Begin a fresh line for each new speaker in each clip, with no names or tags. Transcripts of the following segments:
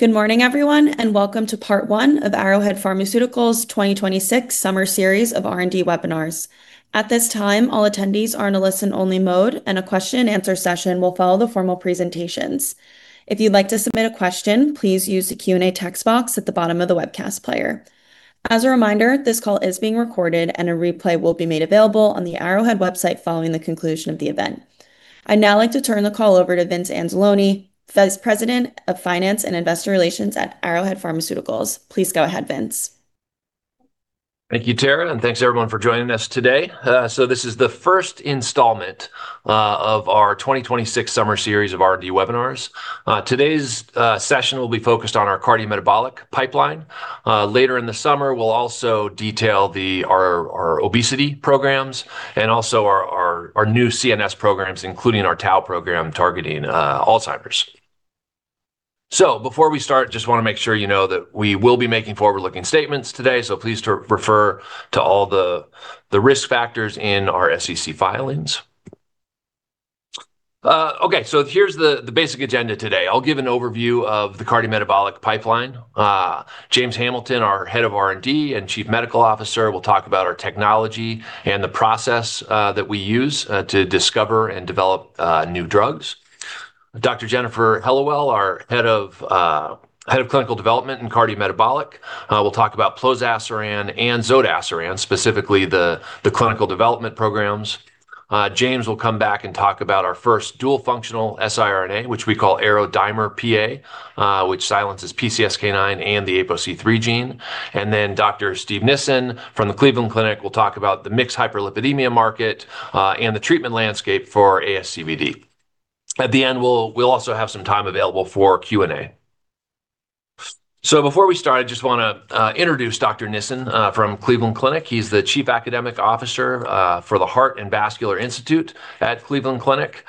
Good morning, everyone, and welcome to part one of Arrowhead Pharmaceuticals' 2026 summer series of R&D webinars. At this time, all attendees are in a listen-only mode, and a question-and-answer session will follow the formal presentations. If you'd like to submit a question, please use the Q&A text box at the bottom of the webcast player. As a reminder, this call is being recorded, and a replay will be made available on the Arrowhead website following the conclusion of the event. I'd now like to turn the call over to Vince Anzalone, Vice President of Finance and Investor Relations at Arrowhead Pharmaceuticals. Please go ahead, Vince.
Thank you, Tara, and thanks everyone for joining us today. This is the first installment of our 2026 summer series of R&D webinars. Today's session will be focused on our cardiometabolic pipeline. Later in the summer, we'll also detail our obesity programs and our new CNS programs, including our tau program targeting [Alzheimer]. Before we start, just want to make sure you know that we will be making forward-looking statements today, so please refer to all the risk factors in our SEC filings. Okay, here's the basic agenda today. I'll give an overview of the cardiometabolic pipeline. James Hamilton, our Head of R&D and Chief Medical Officer, will talk about our technology and the process that we use to discover and develop new drugs. Dr. Jennifer Hellawell, our Head of Clinical Development in Cardiometabolic, will talk about plozasiran and zodasiran, specifically the clinical development programs. James will come back and talk about our first dual-functional siRNA, which we call ARO-DIMER-PA, which silences PCSK9 and the APOC3 gene. Dr. Steve Nissen from the Cleveland Clinic will talk about the mixed hyperlipidemia market and the treatment landscape for ASCVD. At the end, we'll also have some time available for Q&A. Before we start, I just want to introduce Dr. Nissen from Cleveland Clinic. He's the Chief Academic Officer for the Heart and Vascular Institute at Cleveland Clinic.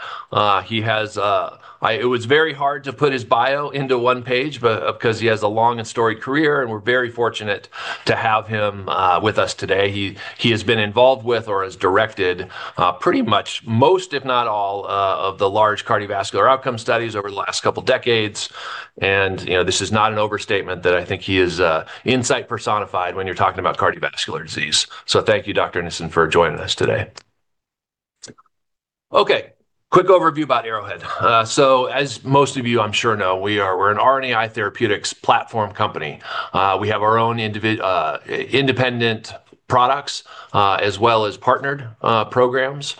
It was very hard to put his bio into one page because he has a long and storied career, and we're very fortunate to have him with us today. He has been involved with or has directed pretty much most, if not all, of the large cardiovascular outcome studies over the last couple of decades. This is not an overstatement that I think he is insight personified when you're talking about cardiovascular disease. Thank you, Dr. Nissen, for joining us today. Okay, quick overview about Arrowhead. As most of you, I'm sure know, we're an RNAi therapeutics platform company. We have our own independent products, as well as partnered programs.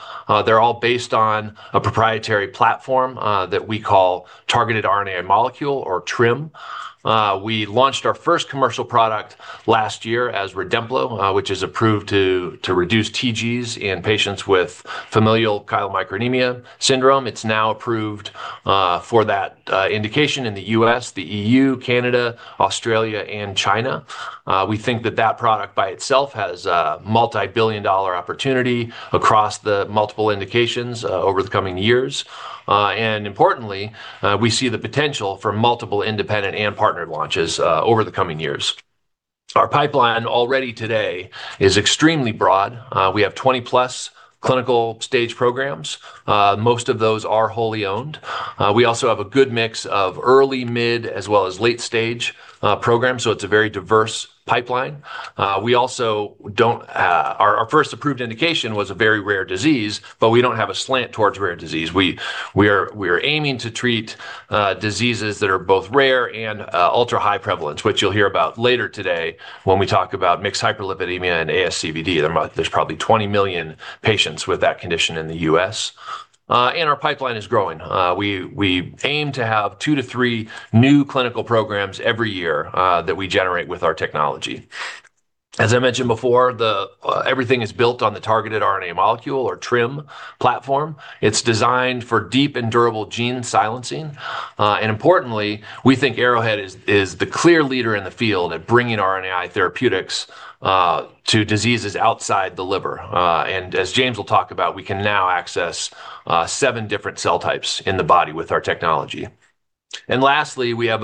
They're all based on a proprietary platform that we call Targeted RNAi Molecule or TRiM. We launched our first commercial product last year as REDEMPLO, which is approved to reduce TGs in patients with familial chylomicronemia syndrome. It's now approved for that indication in the U.S., the EU, Canada, Australia, and China. We think that that product by itself has a multibillion-dollar opportunity across the multiple indications over the coming years. Importantly, we see the potential for multiple independent and partnered launches over the coming years. Our pipeline already today is extremely broad. We have 20+ clinical stage programs. Most of those are wholly owned. We also have a good mix of early, mid, as well as late-stage programs, so it's a very diverse pipeline. Our first approved indication was a very rare disease, but we don't have a slant towards rare disease. We are aiming to treat diseases that are both rare and ultra-high prevalence, which you'll hear about later today when we talk about mixed hyperlipidemia and ASCVD. There's probably 20 million patients with that condition in the U.S., and our pipeline is growing. We aim to have two to three new clinical programs every year that we generate with our technology. As I mentioned before, everything is built on the Targeted RNA Molecule or TRiM platform. It's designed for deep and durable gene silencing. Importantly, we think Arrowhead is the clear leader in the field at bringing RNAi therapeutics to diseases outside the liver. As James will talk about, we can now access seven different cell types in the body with our technology. Lastly, we have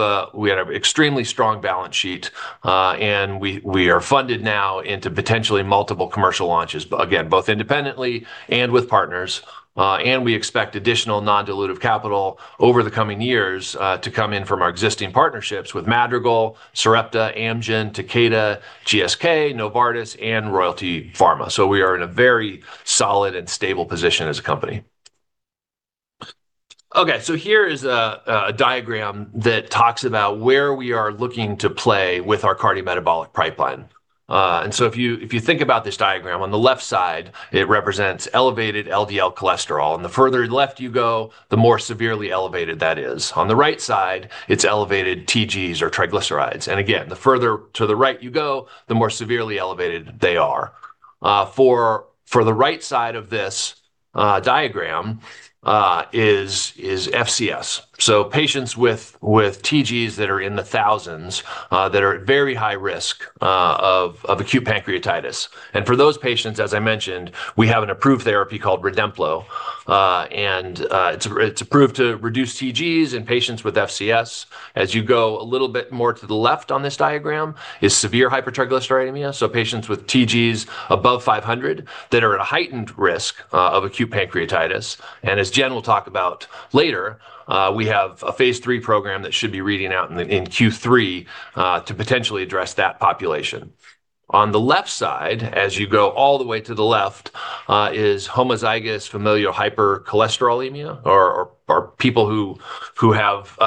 extremely strong balance sheet, and we are funded now into potentially multiple commercial launches, again, both independently and with partners. We expect additional non-dilutive capital over the coming years to come in from our existing partnerships with Madrigal, Sarepta, Amgen, Takeda, GSK, Novartis, and Royalty Pharma. We are in a very solid and stable position as a company. Here is a diagram that talks about where we are looking to play with our cardiometabolic pipeline. If you think about this diagram, on the left side, it represents elevated LDL cholesterol. The further left you go, the more severely elevated that is. On the right side, it's elevated TGs or triglycerides. Again, the further to the right you go, the more severely elevated they are. For the right side of this diagram is FCS. Patients with TGs that are in the thousands that are at very high risk of acute pancreatitis. For those patients, as I mentioned, we have an approved therapy called REDEMPLO, and it's approved to reduce TGs in patients with FCS. As you go a little bit more to the left on this diagram is severe hypertriglyceridemia, patients with TGs above 500 that are at a heightened risk of acute pancreatitis. As Jen will talk about later, we have a phase III program that should be reading out in Q3 to potentially address that population. On the left side, as you go all the way to the left, is Homozygous Familial Hypercholesterolemia, or people who have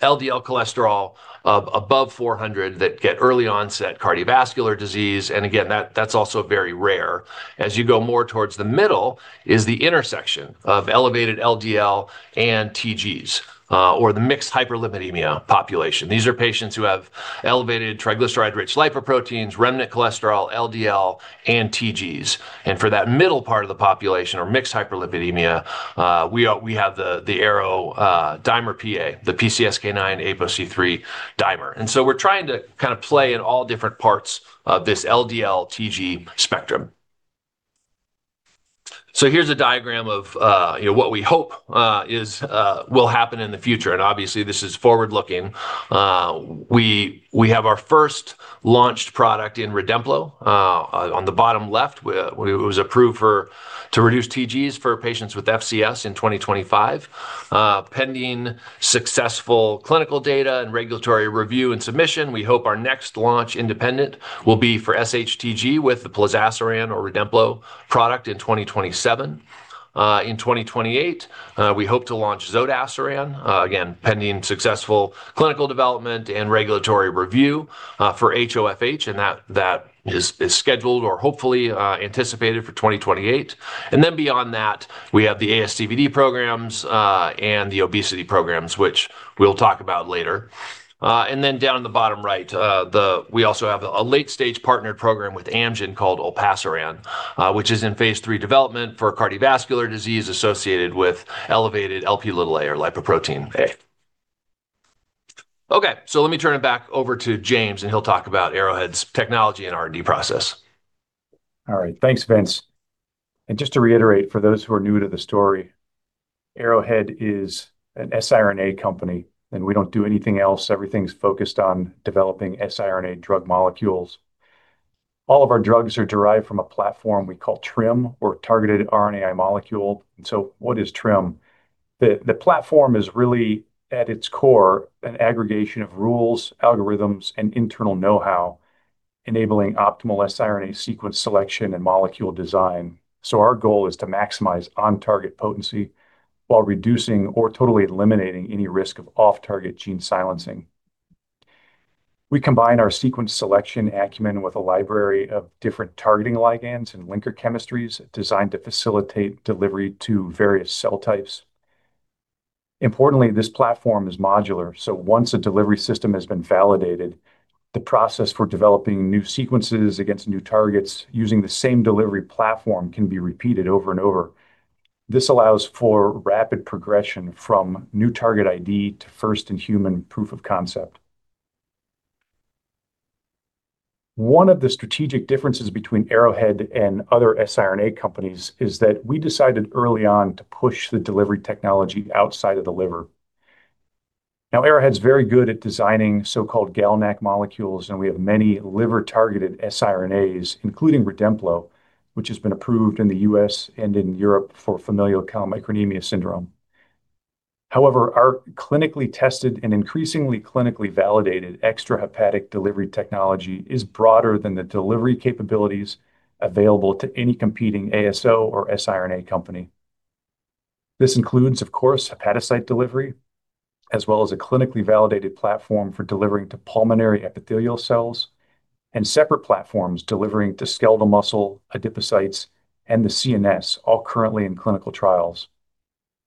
LDL cholesterol above 400 that get early onset cardiovascular disease, and again, that's also very rare. As you go more towards the middle is the intersection of elevated LDL and TGs or the mixed hyperlipidemia population. These are patients who have elevated triglyceride-rich lipoproteins, remnant cholesterol, LDL, and TGs. For that middle part of the population or mixed hyperlipidemia, we have the ARO-DIMER-PA, the PCSK9 ApoC-3 dimer. We're trying to play in all different parts of this LDL-TG spectrum. Here's a diagram of what we hope will happen in the future, and obviously this is forward-looking. We have our first launched product in REDEMPLO on the bottom left. It was approved to reduce TGs for patients with FCS in 2025. Pending successful clinical data and regulatory review and submission, we hope our next launch independent will be for sHTG with the plozasiran or REDEMPLO product in 2027. In 2028, we hope to launch zodasiran, again, pending successful clinical development and regulatory review for HoFH, and that is scheduled or hopefully anticipated for 2028. Beyond that, we have the ASCVD programs, and the obesity programs, which we'll talk about later. Down in the bottom right, we also have a late-stage partnered program with Amgen called olpasiran, which is in phase III development for cardiovascular disease associated with elevated Lp or Lipoprotein. Let me turn it back over to James and he'll talk about Arrowhead's technology and R&D process.
All right. Thanks, Vince. Just to reiterate, for those who are new to the story, Arrowhead is an siRNA company and we don't do anything else. Everything's focused on developing siRNA drug molecules. All of our drugs are derived from a platform we call TRiM or targeted RNAi molecule. What is TRiM? The platform is really, at its core, an aggregation of rules, algorithms, and internal know-how, enabling optimal siRNA sequence selection and molecule design. Our goal is to maximize on-target potency while reducing or totally eliminating any risk of off-target gene silencing. We combine our sequence selection acumen with a library of different targeting ligands and linker chemistries designed to facilitate delivery to various cell types. Importantly, this platform is modular, so once a delivery system has been validated, the process for developing new sequences against new targets using the same delivery platform can be repeated over and over. This allows for rapid progression from new target ID to first-in-human proof of concept. One of the strategic differences between Arrowhead and other siRNA companies is that we decided early on to push the delivery technology outside of the liver. Arrowhead's very good at designing so-called GalNAc molecules, and we have many liver-targeted siRNAs, including REDEMPLO, which has been approved in the U.S. and in Europe for familial chylomicronemia syndrome. However, our clinically tested and increasingly clinically validated extrahepatic delivery technology is broader than the delivery capabilities available to any competing ASO or siRNA company. This includes, of course, hepatocyte delivery, as well as a clinically validated platform for delivering to pulmonary epithelial cells, and separate platforms delivering to skeletal muscle, adipocytes, and the CNS, all currently in clinical trials.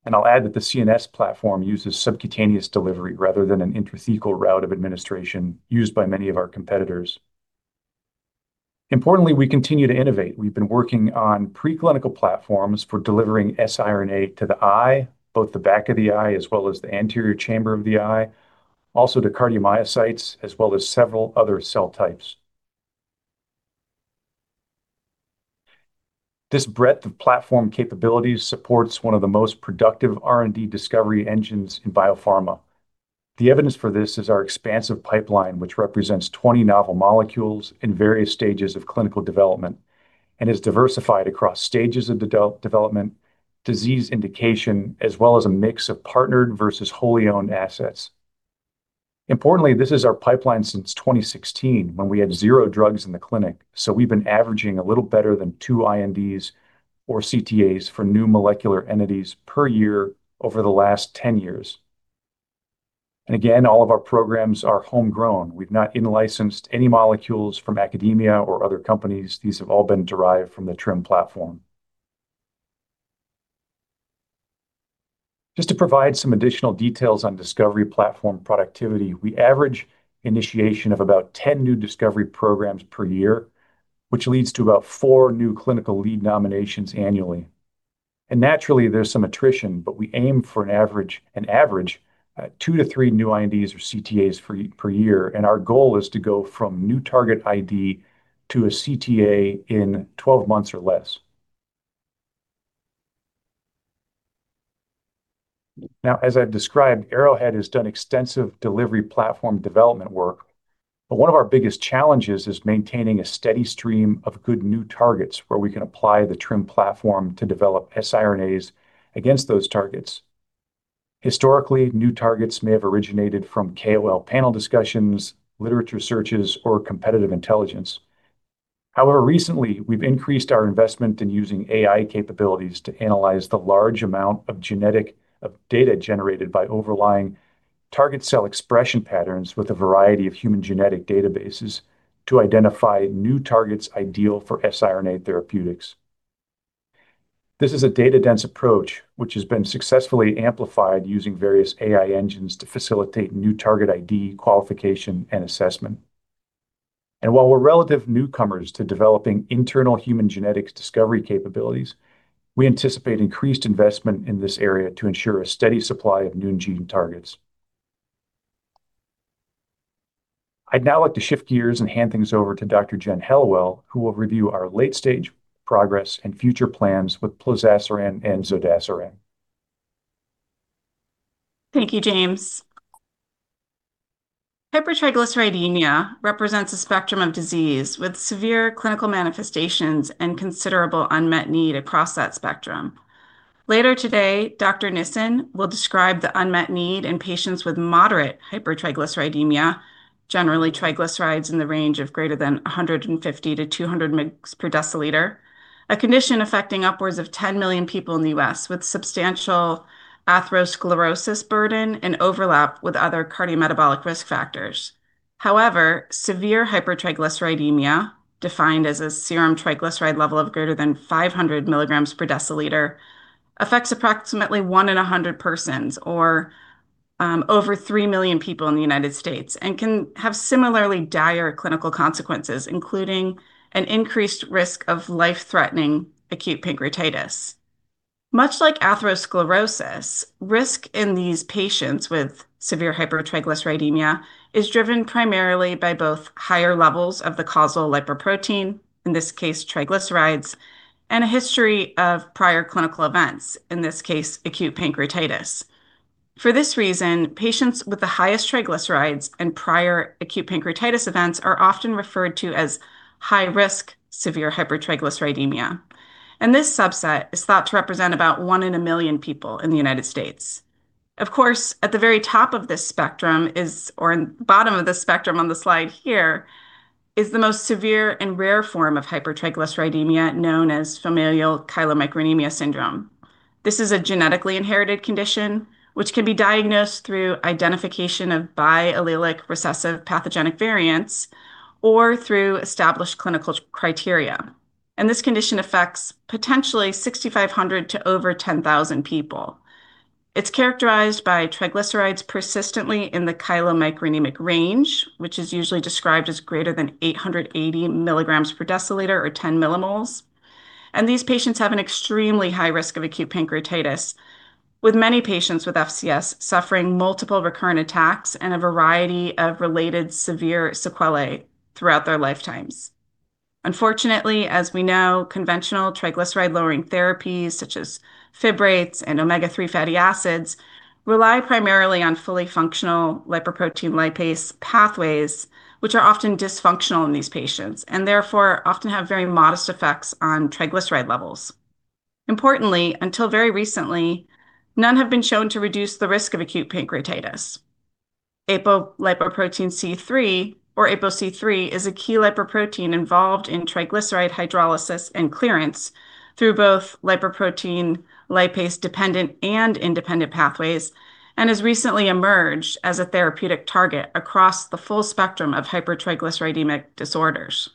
I'll add that the CNS platform uses subcutaneous delivery rather than an intrathecal route of administration used by many of our competitors. Importantly, we continue to innovate. We've been working on preclinical platforms for delivering siRNA to the eye, both the back of the eye as well as the anterior chamber of the eye, also to cardiomyocytes, as well as several other cell types. This breadth of platform capabilities supports one of the most productive R&D discovery engines in biopharma. The evidence for this is our expansive pipeline, which represents 20 novel molecules in various stages of clinical development and is diversified across stages of development, disease indication, as well as a mix of partnered versus wholly owned assets. Importantly, this is our pipeline since 2016 when we had zero drugs in the clinic. We've been averaging a little better than two INDs or CTAs for new molecular entities per year over the last 10 years. Again, all of our programs are homegrown. We've not in-licensed any molecules from academia or other companies. These have all been derived from the TRiM platform. Just to provide some additional details on discovery platform productivity, we average initiation of about 10 new discovery programs per year, which leads to about four new clinical lead nominations annually. Naturally, there's some attrition. We aim for an average two to three new INDs or CTAs per year, and our goal is to go from new target ID to a CTA in 12 months or less. Now, as I've described, Arrowhead has done extensive delivery platform development work, but one of our biggest challenges is maintaining a steady stream of good new targets where we can apply the TRiM platform to develop siRNAs against those targets. Historically, new targets may have originated from KOL panel discussions, literature searches, or competitive intelligence. However, recently, we've increased our investment in using AI capabilities to analyze the large amount of genetic data generated by overlying target cell expression patterns with a variety of human genetic databases to identify new targets ideal for siRNA therapeutics. This is a data-dense approach which has been successfully amplified using various AI engines to facilitate new target ID qualification and assessment. While we're relative newcomers to developing internal human genetics discovery capabilities, we anticipate increased investment in this area to ensure a steady supply of new gene targets. I'd now like to shift gears and hand things over to Dr. Jen Hellawell, who will review our late-stage progress and future plans with plozasiran and zodasiran.
Thank you, James. Hypertriglyceridemia represents a spectrum of disease with severe clinical manifestations and considerable unmet need across that spectrum. Later today, Dr. Nissen will describe the unmet need in patients with moderate hypertriglyceridemia, generally triglycerides in the range of greater than 150 mg-200 mg per deciliter, a condition affecting upwards of 10 million people in the U.S. with substantial atherosclerosis burden and overlap with other cardiometabolic risk factors. However, severe hypertriglyceridemia, defined as a serum triglyceride level of greater than 500 mg per deciliter, affects approximately one in 100 persons or over 3 million people in the United States, and can have similarly dire clinical consequences, including an increased risk of life-threatening acute pancreatitis. Much like atherosclerosis, risk in these patients with severe hypertriglyceridemia is driven primarily by both higher levels of the causal lipoprotein, in this case, triglycerides, and a history of prior clinical events, in this case, acute pancreatitis. For this reason, patients with the highest triglycerides and prior acute pancreatitis events are often referred to as high-risk severe hypertriglyceridemia, and this subset is thought to represent about one in 1 million people in the United States. Of course, at the very top of this spectrum is, or bottom of the spectrum on the slide here, is the most severe and rare form of hypertriglyceridemia, known as familial chylomicronemia syndrome. This is a genetically inherited condition which can be diagnosed through identification of biallelic recessive pathogenic variants or through established clinical criteria. This condition affects potentially 6,500 to over 10,000 people. It's characterized by triglycerides persistently in the chylomicronemic range, which is usually described as greater than 880 mg per deciliter or 10 millimoles. These patients have an extremely high risk of acute pancreatitis, with many patients with FCS suffering multiple recurrent attacks and a variety of related severe sequelae throughout their lifetimes. Unfortunately, as we know, conventional triglyceride-lowering therapies such as fibrates and omega-3 fatty acids rely primarily on fully functional lipoprotein lipase pathways which are often dysfunctional in these patients and therefore often have very modest effects on triglyceride levels. Importantly, until very recently, none have been shown to reduce the risk of acute pancreatitis. Apolipoprotein C3, or ApoC3, is a key lipoprotein involved in triglyceride hydrolysis and clearance through both lipoprotein lipase-dependent and independent pathways and has recently emerged as a therapeutic target across the full spectrum of hypertriglyceridemic disorders.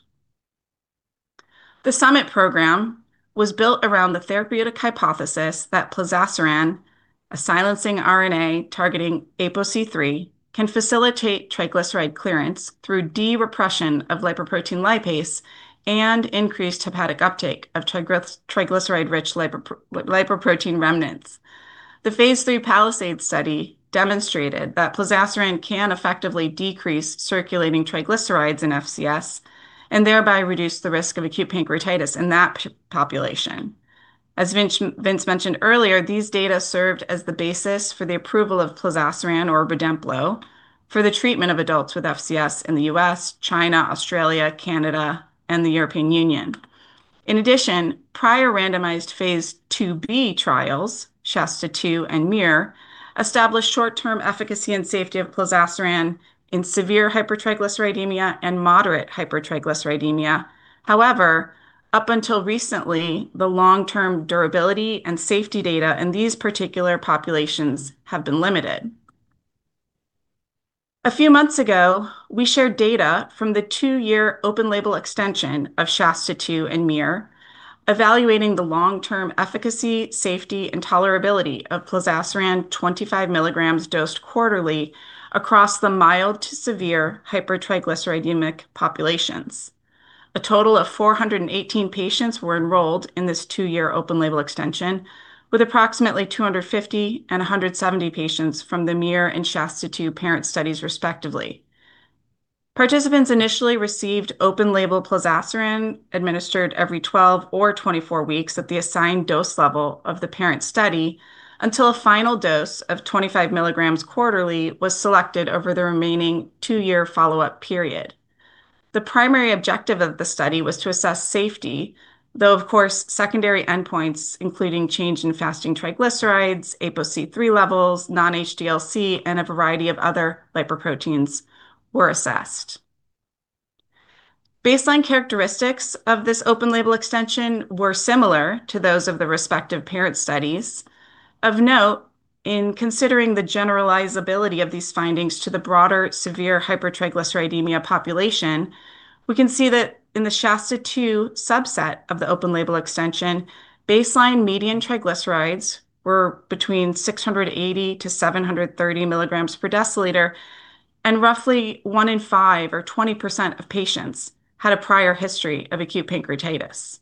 The SUMMIT program was built around the therapeutic hypothesis that plozasiran, a silencing RNA targeting ApoC3, can facilitate triglyceride clearance through de-repression of lipoprotein lipase and increased hepatic uptake of triglyceride-rich lipoprotein remnants. The phase III PALISADE study demonstrated that plozasiran can effectively decrease circulating triglycerides in FCS and thereby reduce the risk of acute pancreatitis in that population. As Vince mentioned earlier, these data served as the basis for the approval of plozasiran or REDEMPLO for the treatment of adults with FCS in the U.S., China, Australia, Canada, and the European Union. In addition, prior randomized phase II-B trials, SHASTA-2 and MUIR, established short-term efficacy and safety of plozasiran in severe hypertriglyceridemia and moderate hypertriglyceridemia. However, up until recently, the long-term durability and safety data in these particular populations have been limited. A few months ago, we shared data from the two-year open label extension of SHASTA-2 and MUIR evaluating the long-term efficacy, safety, and tolerability of plozasiran 25 mg dosed quarterly across the mild to severe hypertriglyceridemic populations. A total of 418 patients were enrolled in this two-year open label extension with approximately 250 and 170 patients from the MUIR and SHASTA-2 parent studies respectively. Participants initially received open label plozasiran administered every 12 or 24 weeks at the assigned dose level of the parent study until a final dose of 25 mg quarterly was selected over the remaining two-year follow-up period. The primary objective of the study was to assess safety, though, of course, secondary endpoints, including change in fasting triglycerides, ApoC3 levels, non-HDLC, and a variety of other lipoproteins were assessed. Baseline characteristics of this open label extension were similar to those of the respective parent studies. Of note, in considering the generalizability of these findings to the broader severe hypertriglyceridemia population, we can see that in the SHASTA-2 subset of the open label extension, baseline median triglycerides were between 680 mg-730 mg per deciliter, and roughly one in five or 20% of patients had a prior history of acute pancreatitis.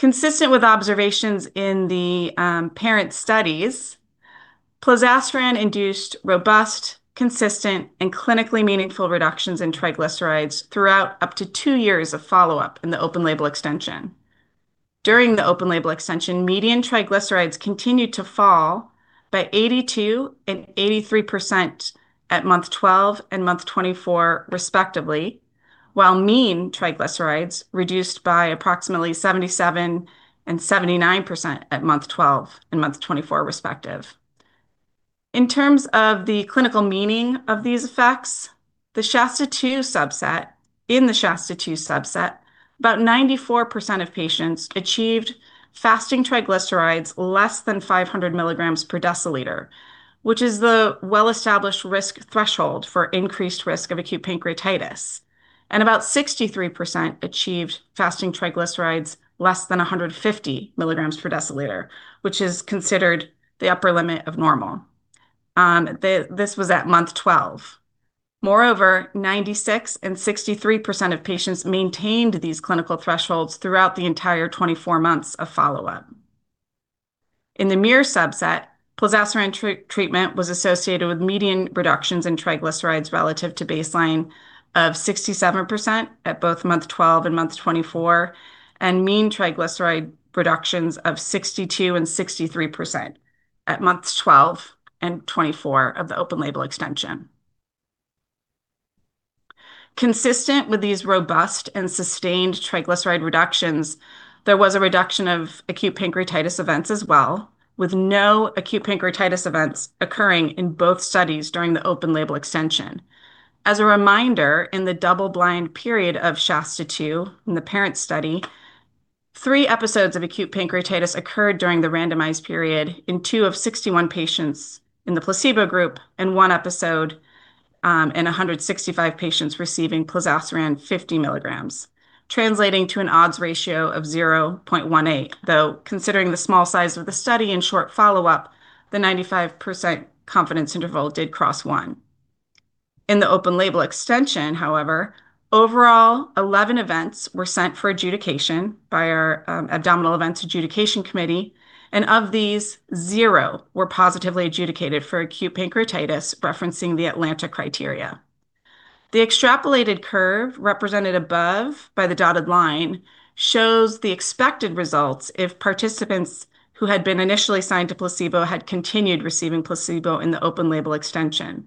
Consistent with observations in the parent studies, plozasiran induced robust, consistent, and clinically meaningful reductions in triglycerides throughout up to two years of follow-up in the open label extension. During the open label extension, median triglycerides continued to fall by 82% and 83% at month 12 and month 24, respectively, while mean triglycerides reduced by approximately 77% and 79% at month 12 and month 24, respectively. In terms of the clinical meaning of these effects, in the SHASTA-2 subset, about 94% of patients achieved fasting triglycerides less than 500 mg per deciliter, which is the well-established risk threshold for increased risk of acute pancreatitis. About 63% achieved fasting triglycerides less than 150 mg per deciliter, which is considered the upper limit of normal. This was at month 12. Moreover, 96% and 63% of patients maintained these clinical thresholds throughout the entire 24 months of follow-up. In the MUIR subset, plozasiran treatment was associated with median reductions in triglycerides relative to baseline of 67% at both month 12 and month 24, and mean triglyceride reductions of 62% and 63% at months 12 and 24 of the open label extension. Consistent with these robust and sustained triglyceride reductions, there was a reduction of acute pancreatitis events as well, with no acute pancreatitis events occurring in both studies during the open label extension. As a reminder, in the double-blind period of SHASTA-2, in the parent study, three episodes of acute pancreatitis occurred during the randomized period in two of 61 patients in the placebo group and one episode in 165 patients receiving plozasiran 50 mg, translating to an odds ratio of 0.18. Though considering the small size of the study and short follow-up, the 95% confidence interval did cross one. In the open label extension, however, overall, 11 events were sent for adjudication by our abdominal events adjudication committee, and of these, zero were positively adjudicated for acute pancreatitis referencing the Atlanta criteria. The extrapolated curve represented above by the dotted line shows the expected results if participants who had been initially assigned to placebo had continued receiving placebo in the open label extension.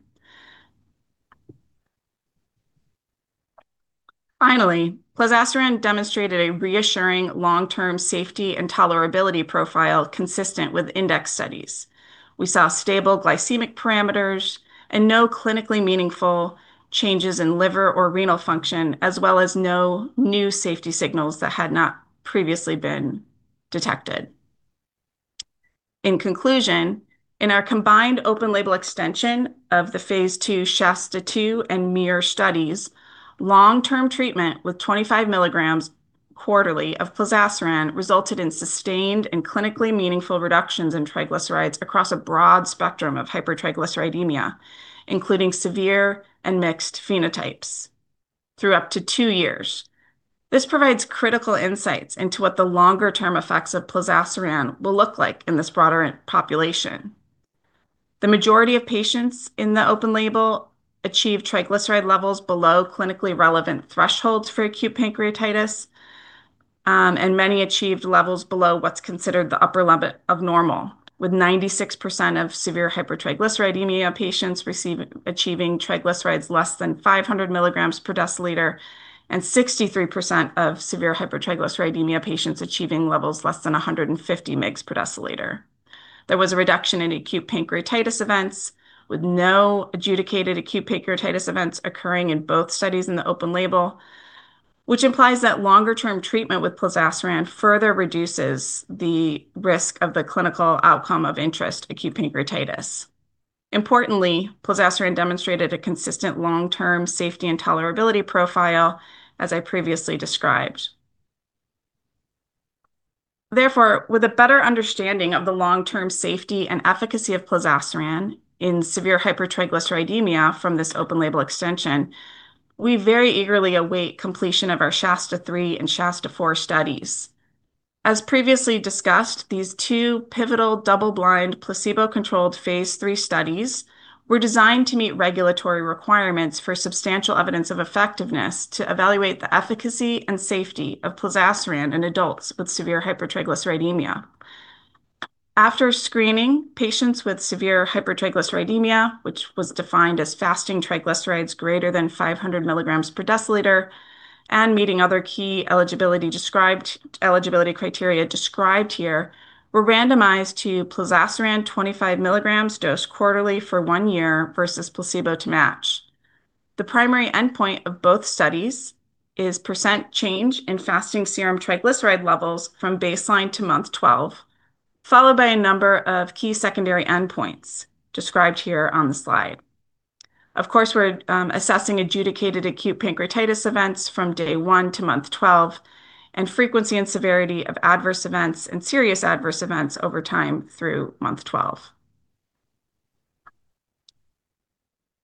Finally, plozasiran demonstrated a reassuring long-term safety and tolerability profile consistent with index studies. We saw stable glycemic parameters and no clinically meaningful changes in liver or renal function, as well as no new safety signals that had not previously been detected. In conclusion, in our combined open label extension of the phase II SHASTA-2 and MUIR studies, long-term treatment with 25 mg quarterly of plozasiran resulted in sustained and clinically meaningful reductions in triglycerides across a broad spectrum of hypertriglyceridemia, including severe and mixed phenotypes through up to two years. This provides critical insights into what the longer-term effects of plozasiran will look like in this broader population. The majority of patients in the open label achieved triglyceride levels below clinically relevant thresholds for acute pancreatitis, and many achieved levels below what's considered the upper limit of normal with 96% of severe hypertriglyceridemia patients achieving triglycerides less than 500 mg per deciliter and 63% of severe hypertriglyceridemia patients achieving levels less than 150 mg per deciliter. There was a reduction in acute pancreatitis events, with no adjudicated acute pancreatitis events occurring in both studies in the open label, which implies that longer-term treatment with plozasiran further reduces the risk of the clinical outcome of interest, acute pancreatitis. Importantly, plozasiran demonstrated a consistent long-term safety and tolerability profile as I previously described. Therefore, with a better understanding of the long-term safety and efficacy of plozasiran in severe hypertriglyceridemia from this open label extension, we very eagerly await completion of our SHASTA-3 and SHASTA-4 studies. As previously discussed, these two pivotal double-blind, placebo-controlled phase III studies were designed to meet regulatory requirements for substantial evidence of effectiveness to evaluate the efficacy and safety of plozasiran in adults with severe hypertriglyceridemia. After screening patients with severe hypertriglyceridemia, which was defined as fasting triglycerides greater than 500 mg per deciliter and meeting other key eligibility criteria described here, were randomized to plozasiran 25 mg dosed quarterly for one year versus placebo to match. The primary endpoint of both studies is percent change in fasting serum triglyceride levels from baseline to month 12, followed by a number of key secondary endpoints described here on the slide. Of course, we're assessing adjudicated acute pancreatitis events from day one to month 12, and frequency and severity of adverse events and serious adverse events over time through month 12.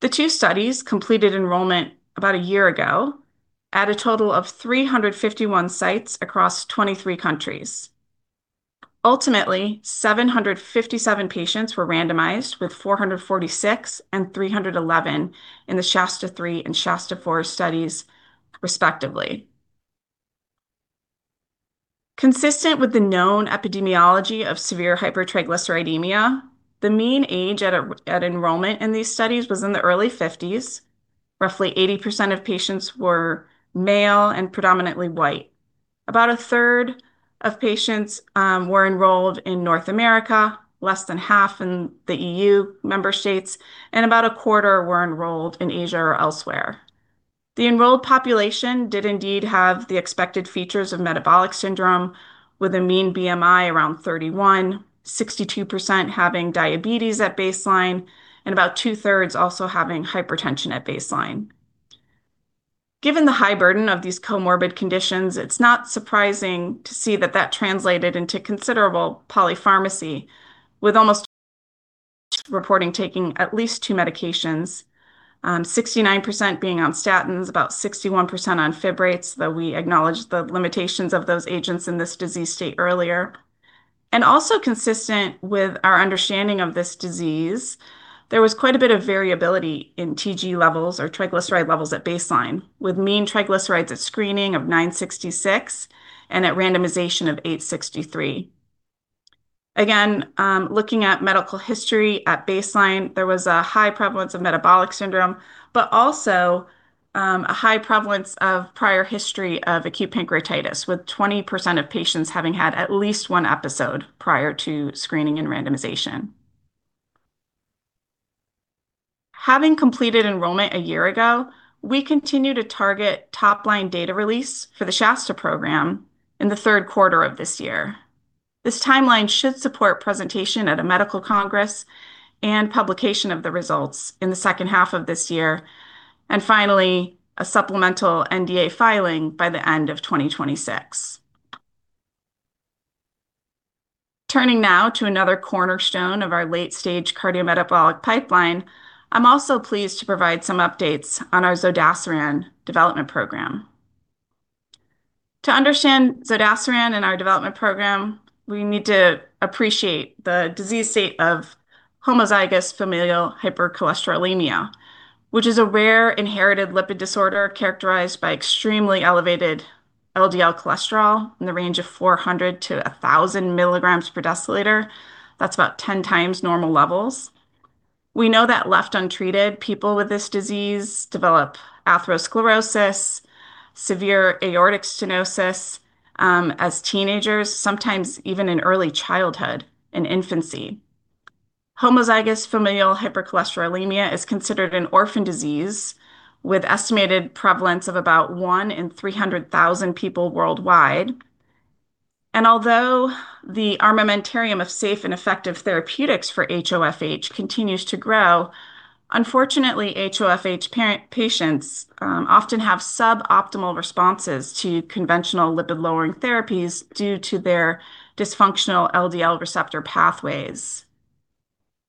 The two studies completed enrollment about a year ago at a total of 351 sites across 23 countries. Ultimately, 757 patients were randomized with 446 and 311 in the SHASTA-3 and SHASTA-4 studies respectively. Consistent with the known epidemiology of severe hypertriglyceridemia, the mean age at enrollment in these studies was in the early 1950s. Roughly 80% of patients were male and predominantly white. About 1/3 of patients were enrolled in North America, less than half in the EU member states, and about a quarter were enrolled in Asia or elsewhere. The enrolled population did indeed have the expected features of metabolic syndrome with a mean BMI around 31, 62% having diabetes at baseline, and about 2/3 also having hypertension at baseline. Given the high burden of these comorbid conditions, it's not surprising to see that that translated into considerable polypharmacy with almost reporting taking at least two medications, 69% being on statins, about 61% on fibrates, though we acknowledge the limitations of those agents in this disease state earlier. Also consistent with our understanding of this disease, there was quite a bit of variability in TG levels or triglyceride levels at baseline, with mean triglycerides at screening of 966 and at randomization of 863. Again, looking at medical history at baseline, there was a high prevalence of metabolic syndrome, but also, a high prevalence of prior history of acute pancreatitis, with 20% of patients having had at least one episode prior to screening and randomization. Having completed enrollment a year ago, we continue to target top-line data release for the SHASTA program in the third quarter of this year. This timeline should support presentation at a medical congress and publication of the results in the second half of this year. Finally, a supplemental NDA filing by the end of 2026. Turning now to another cornerstone of our late-stage cardiometabolic pipeline, I am also pleased to provide some updates on our zodasiran development program. To understand zodasiran and our development program, we need to appreciate the disease state of homozygous familial hypercholesterolemia, which is a rare inherited lipid disorder characterized by extremely elevated LDL-C in the range of 400 mg-1,000 mg per deciliter. That is about 10 times normal levels. We know that left untreated, people with this disease develop atherosclerosis, severe aortic stenosis, as teenagers, sometimes even in early childhood, in infancy. Homozygous familial hypercholesterolemia is considered an orphan disease with estimated prevalence of about one in 300,000 people worldwide. Although the armamentarium of safe and effective therapeutics for HoFH continues to grow, unfortunately, HoFH patients often have suboptimal responses to conventional lipid-lowering therapies due to their dysfunctional LDL receptor pathways.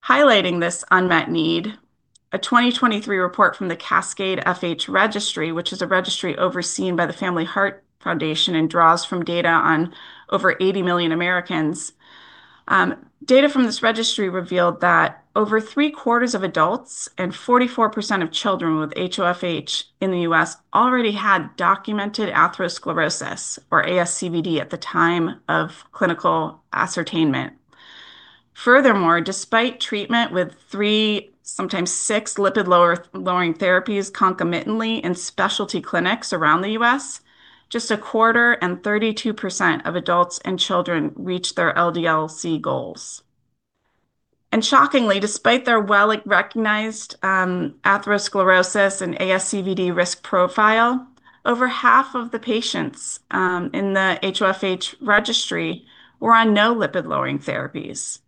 Highlighting this unmet need, a 2023 report from the CASCADE FH Registry, which is a registry overseen by the Family Heart Foundation and draws from data on over 80 million Americans. Data from this registry revealed that over 3/4 of adults and 44% of children with HoFH in the U.S. already had documented atherosclerosis or ASCVD at the time of clinical ascertainment. Furthermore, despite treatment with three, sometimes six lipid-lowering therapies concomitantly in specialty clinics around the U.S., just a quarter and 32% of adults and children reach their LDL-C goals. Shockingly, despite their well-recognized atherosclerosis and ASCVD risk profile, over half of the patients in the HoFH registry were on no lipid-lowering therapies.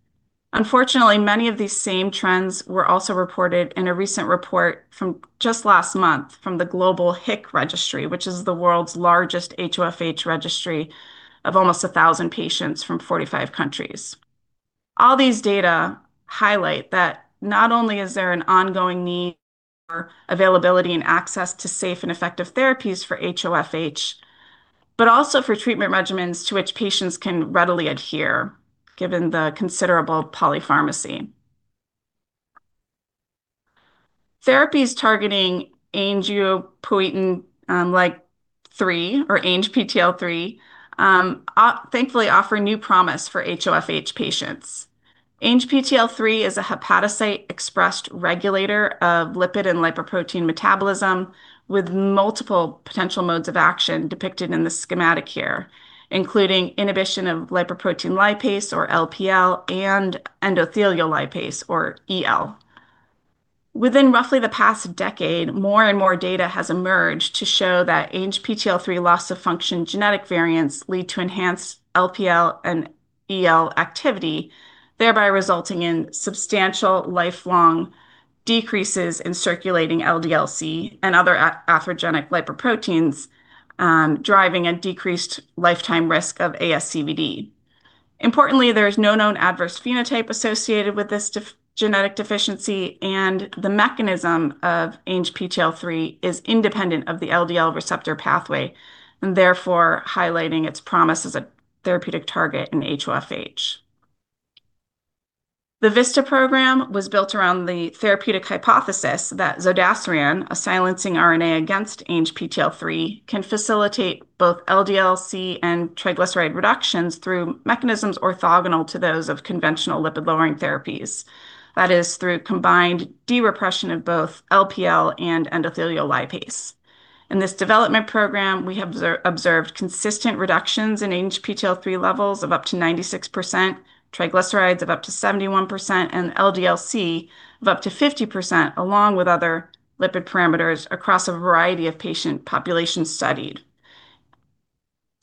Unfortunately, many of these same trends were also reported in a recent report from just last month from the Global HICC Registry, which is the world's largest HoFH registry of almost 1,000 patients from 45 countries. All these data highlight that not only is there an ongoing need for availability and access to safe and effective therapies for HoFH, but also for treatment regimens to which patients can readily adhere, given the considerable polypharmacy. Therapies targeting angiopoietin-like 3, or ANGPTL3, thankfully offer new promise for HoFH patients. ANGPTL3 is a hepatocyte-expressed regulator of lipid and lipoprotein metabolism with multiple potential modes of action depicted in this schematic here, including inhibition of lipoprotein lipase, or LPL, and endothelial lipase, or EL. Within roughly the past decade, more and more data has emerged to show that ANGPTL3 loss-of-function genetic variants lead to enhanced LPL and EL activity, thereby resulting in substantial lifelong decreases in circulating LDL-C and other atherogenic lipoproteins, driving a decreased lifetime risk of ASCVD. Importantly, there is no known adverse phenotype associated with this genetic deficiency. The mechanism of ANGPTL3 is independent of the LDL receptor pathway, therefore highlighting its promise as a therapeutic target in HoFH. The VISTA program was built around the therapeutic hypothesis that zodasiran, a silencing RNA against ANGPTL3, can facilitate both LDL-C and triglyceride reductions through mechanisms orthogonal to those of conventional lipid-lowering therapies. That is, through combined de-repression of both LPL and endothelial lipase. In this development program, we observed consistent reductions in ANGPTL3 levels of up to 96%, triglycerides of up to 71%, and LDL-C of up to 50%, along with other lipid parameters across a variety of patient populations studied.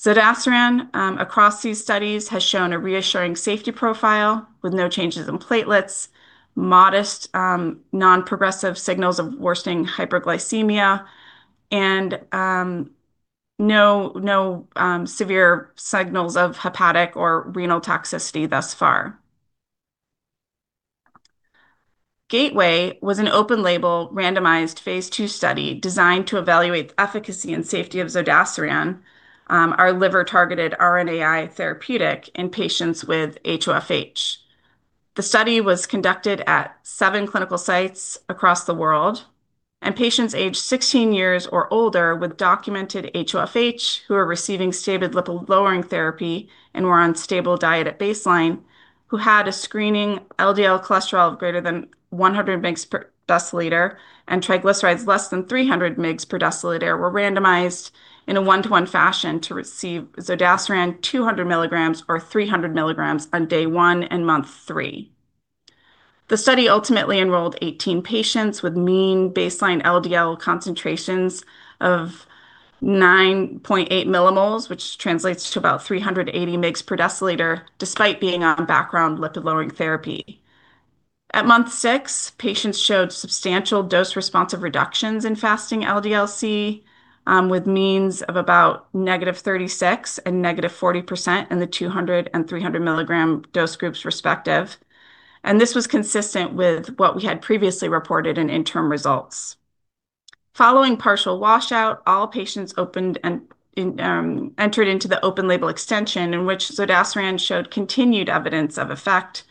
Zodasiran, across these studies, has shown a reassuring safety profile with no changes in platelets, modest non-progressive signals of worsening hyperglycemia, and no severe signals of hepatic or renal toxicity thus far. GATEWAY was an open-label, randomized phase II study designed to evaluate the efficacy and safety of zodasiran, our liver-targeted RNAi therapeutic, in patients with HoFH. The study was conducted at seven clinical sites across the world, patients aged 16 years or older with documented HoFH who are receiving stable lipid-lowering therapy and were on stable diet at baseline, who had a screening LDL cholesterol of greater than 100 mg per deciliter and triglycerides less than 300 mg per deciliter were randomized in a one-to-one fashion to receive zodasiran 200 mg or 300 mg on day one and month three. The study ultimately enrolled 18 patients with mean baseline LDL concentrations of 9.8 millimoles, which translates to about 380 mg per deciliter, despite being on background lipid-lowering therapy. At month six, patients showed substantial dose-responsive reductions in fasting LDL-C, with means of about -36% and -40% in the 200 mg and 300-mg dose groups respective. This was consistent with what we had previously reported in interim results. Following partial washout, all patients entered into the open-label extension in which zodasiran showed continued evidence of effect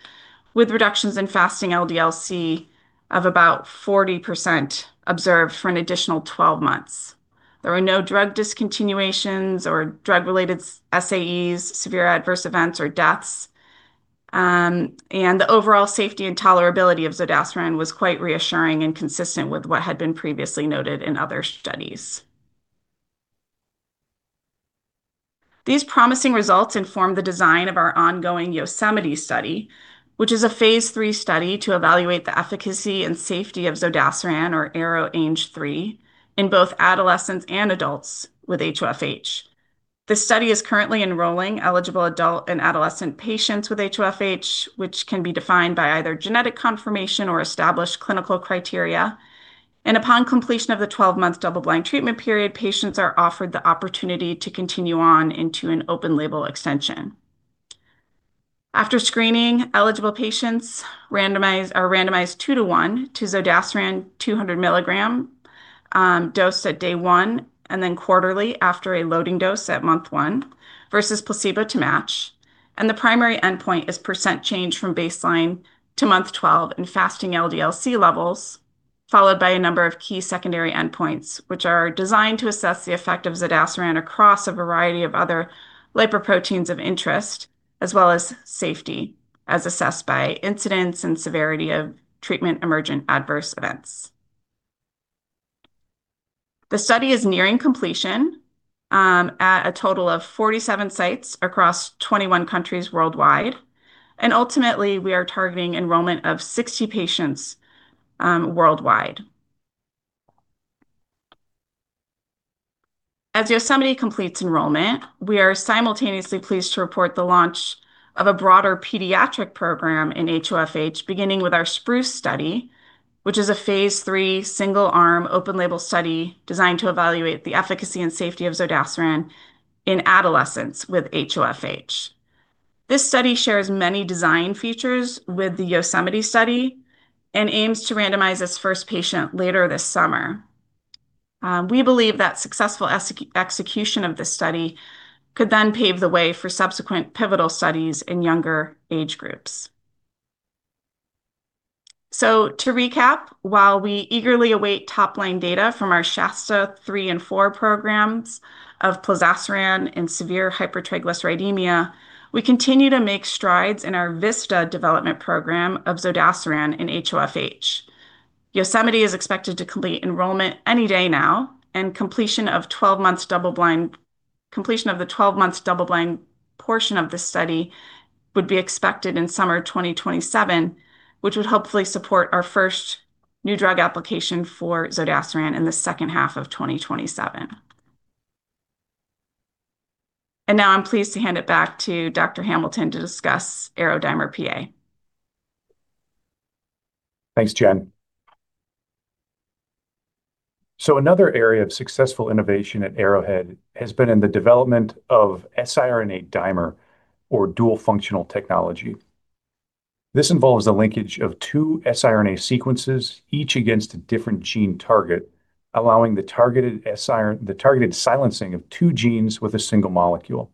with reductions in fasting LDL-C of about 40% observed for an additional 12 months. There were no drug discontinuations or drug-related SAEs, severe adverse events, or deaths. The overall safety and tolerability of zodasiran was quite reassuring and consistent with what had been previously noted in other studies. These promising results informed the design of our ongoing YOSEMITE study, which is a phase III study to evaluate the efficacy and safety of zodasiran or ARO-ANG3 in both adolescents and adults with HoFH. This study is currently enrolling eligible adult and adolescent patients with HoFH, which can be defined by either genetic confirmation or established clinical criteria. Upon completion of the 12-month double-blind treatment period, patients are offered the opportunity to continue on into an open-label extension. After screening, eligible patients are randomized two to one to zodasiran 200 mg dose at day one, then quarterly after a loading dose at month one, versus placebo to match. The primary endpoint is percent change from baseline to month 12 in fasting LDL-C levels, followed by a number of key secondary endpoints, which are designed to assess the effect of zodasiran across a variety of other lipoproteins of interest, as well as safety, as assessed by incidence and severity of treatment-emergent adverse events. The study is nearing completion at a total of 47 sites across 21 countries worldwide. Ultimately, we are targeting enrollment of 60 patients worldwide. As YOSEMITE completes enrollment, we are simultaneously pleased to report the launch of a broader pediatric program in HoFH, beginning with our SPRUCE study, which is a phase III single-arm open-label study designed to evaluate the efficacy and safety of zodasiran in adolescents with HoFH. This study shares many design features with the YOSEMITE study and aims to randomize its first patient later this summer. We believe that successful execution of this study could then pave the way for subsequent pivotal studies in younger age groups. To recap, while we eagerly await top-line data from our SHASTA-3 and SHASTA-4 programs of plozasiran in severe hypertriglyceridemia, we continue to make strides in our VISTA development program of zodasiran in HoFH. YOSEMITE is expected to complete enrollment any day now, and completion of the 12 months double-blind portion of the study would be expected in summer 2027, which would hopefully support our first new drug application for zodasiran in the second half of 2027. Now I'm pleased to hand it back to Dr. Hamilton to discuss ARO-DIMER-PA.
Thanks, Jen. Another area of successful innovation at Arrowhead has been in the development of siRNA dimer or dual functional technology. This involves the linkage of two siRNA sequences, each against a different gene target, allowing the targeted silencing of two genes with a single molecule.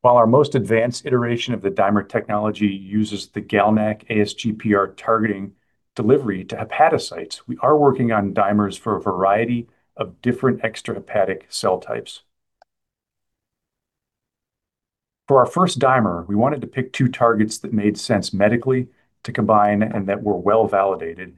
While our most advanced iteration of the dimer technology uses the GalNAc-ASGPR targeting delivery to hepatocytes, we are working on dimers for a variety of different extrahepatic cell types. For our first dimer, we wanted to pick two targets that made sense medically to combine and that were well-validated.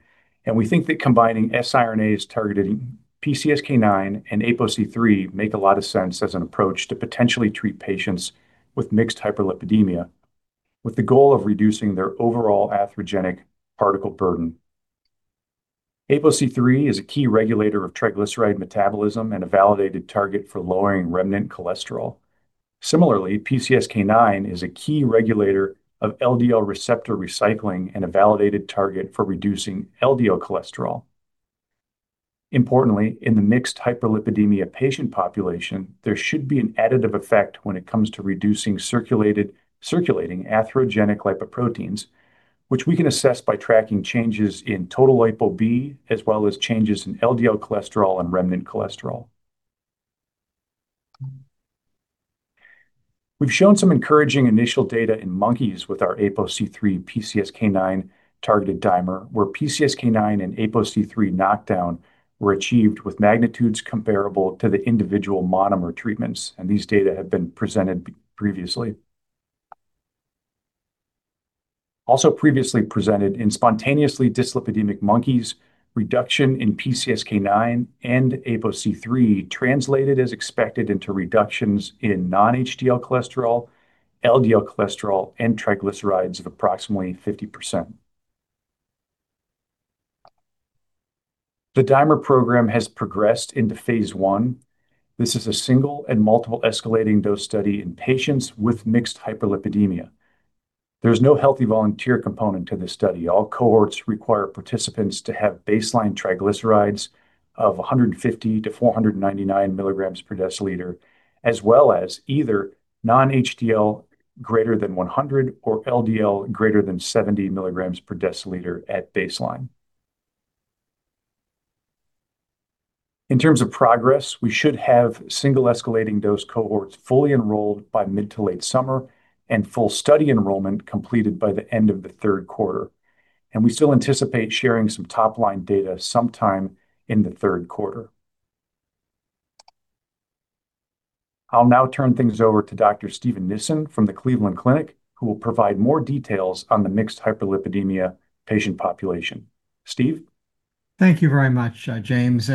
We think that combining siRNAs targeting PCSK9 and APOC3 make a lot of sense as an approach to potentially treat patients with mixed hyperlipidemia, with the goal of reducing their overall atherogenic particle burden. APOC3 is a key regulator of triglyceride metabolism and a validated target for lowering remnant cholesterol. Similarly, PCSK9 is a key regulator of LDL receptor recycling and a validated target for reducing LDL cholesterol. Importantly, in the mixed hyperlipidemia patient population, there should be an additive effect when it comes to reducing circulating atherogenic lipoproteins, which we can assess by tracking changes in total ApoB as well as changes in LDL cholesterol and remnant cholesterol. We've shown some encouraging initial data in monkeys with our ApoC3-PCSK9 targeted dimer, where PCSK9 and ApoC3 knockdown were achieved with magnitudes comparable to the individual monomer treatments, and these data have been presented previously. Also previously presented in spontaneously dyslipidemic monkeys, reduction in PCSK9 and ApoC3 translated as expected into reductions in non-HDL cholesterol, LDL cholesterol, and triglycerides of approximately 50%. The dimer program has progressed into phase I. This is a single and multiple escalating dose study in patients with mixed hyperlipidemia. There's no healthy volunteer component to this study. All cohorts require participants to have baseline triglycerides of 150 mg-499 mg per deciliter, as well as either non-HDL greater than 100 or LDL greater than 70 mg per deciliter at baseline. In terms of progress, we should have single escalating dose cohorts fully enrolled by mid to late summer and full study enrollment completed by the end of the third quarter. We still anticipate sharing some top-line data sometime in the third quarter. I'll now turn things over to Dr. Steve Nissen from the Cleveland Clinic, who will provide more details on the mixed hyperlipidemia patient population. Steve?
Thank you very much, James.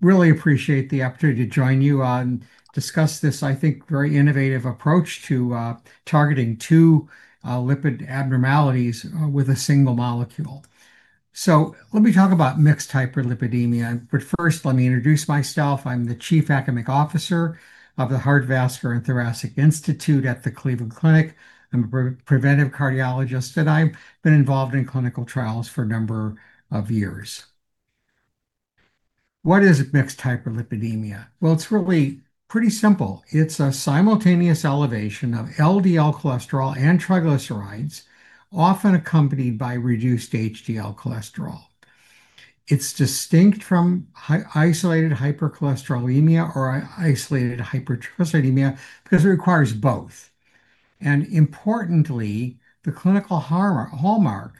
Really appreciate the opportunity to join you and discuss this, I think, very innovative approach to targeting two lipid abnormalities with a single molecule. Let me talk about mixed hyperlipidemia, but first let me introduce myself. I'm the Chief Academic Officer of the Heart, Vascular & Thoracic Institute at the Cleveland Clinic. I'm a preventive cardiologist. I've been involved in clinical trials for a number of years. What is mixed hyperlipidemia? Well, it's really pretty simple. It's a simultaneous elevation of LDL cholesterol and triglycerides, often accompanied by reduced HDL cholesterol. It's distinct from isolated hypercholesterolemia or isolated hypertriglyceridemia because it requires both. Importantly, the clinical hallmark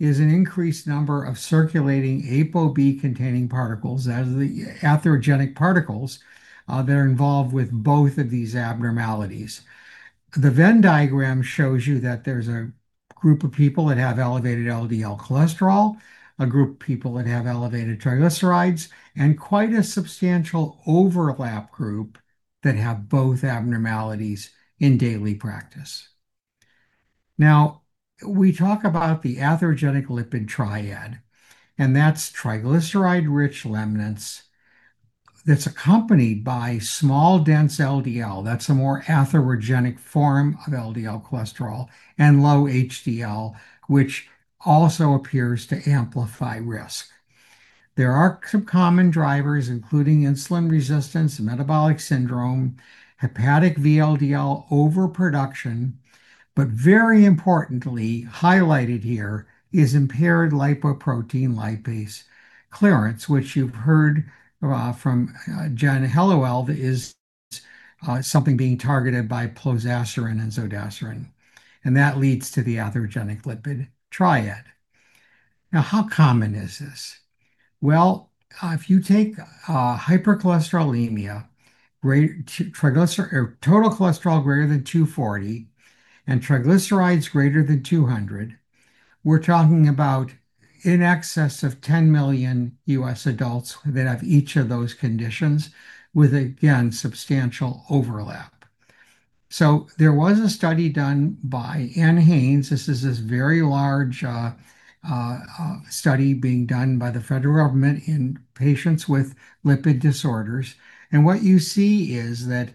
is an increased number of circulating ApoB-containing particles, that is the atherogenic particles that are involved with both of these abnormalities. The Venn diagram shows you that there's a group of people that have elevated LDL cholesterol, a group of people that have elevated triglycerides, quite a substantial overlap group that have both abnormalities in daily practice. We talk about the atherogenic lipid triad, and that's triglyceride-rich remnants that's accompanied by small, dense LDL, that's a more atherogenic form of LDL cholesterol, and low HDL, which also appears to amplify risk. There are some common drivers, including insulin resistance, metabolic syndrome, hepatic VLDL overproduction, but very importantly, highlighted here is impaired lipoprotein lipase clearance, which you've heard from Jen Hellawell, it's something being targeted by plozasiran and zodasiran, that leads to the atherogenic lipid triad. How common is this? Well, if you take hypercholesterolemia, total cholesterol greater than 240, triglycerides greater than 200, we're talking about in excess of 10 million U.S. adults that have each of those conditions with, again, substantial overlap. There was a study done by NHANES. This is this very large study being done by the federal government in patients with lipid disorders. What you see is that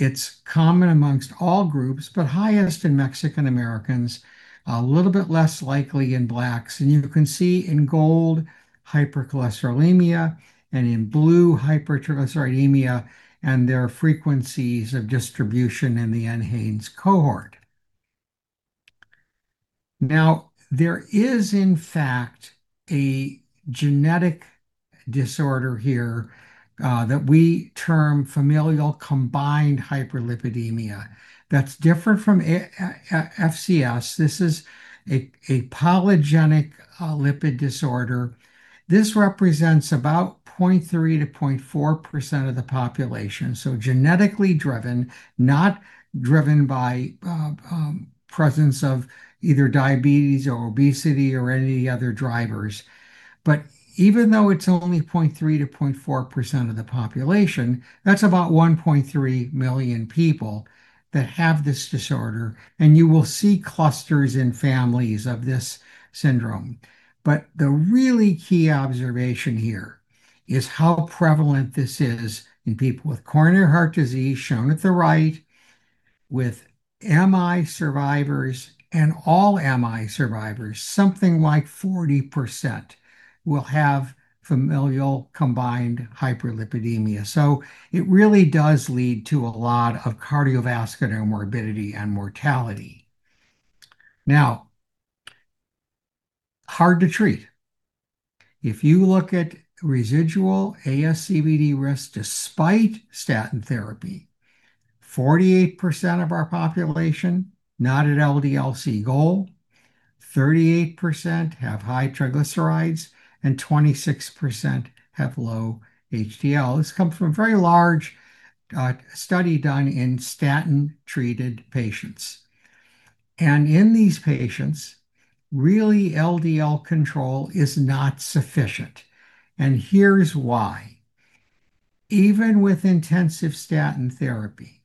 it's common amongst all groups, but highest in Mexican Americans, a little bit less likely in Blacks. You can see in gold, hypercholesterolemia, in blue, hypertriglyceridemia, and their frequencies of distribution in the NHANES cohort. There is, in fact, a genetic disorder here that we term familial combined hyperlipidemia that's different from FCS. This is a polygenic lipid disorder. This represents about 0.3%-0.4% of the population. Genetically driven, not driven by presence of either diabetes or obesity or any other drivers. Even though it's only 0.3%-0.4% of the population, that's about 1.3 million people that have this disorder. You will see clusters in families of this syndrome. The really key observation here is how prevalent this is in people with coronary heart disease, shown at the right, with MI survivors and all MI survivors. Something like 40% will have familial combined hyperlipidemia. It really does lead to a lot of cardiovascular morbidity and mortality. Now, hard to treat. If you look at residual ASCVD risk despite statin therapy, 48% of our population, not at LDL-C goal, 38% have high triglycerides, and 26% have low HDL. This comes from a very large study done in statin-treated patients. In these patients, really LDL control is not sufficient, and here's why. Even with intensive statin therapy,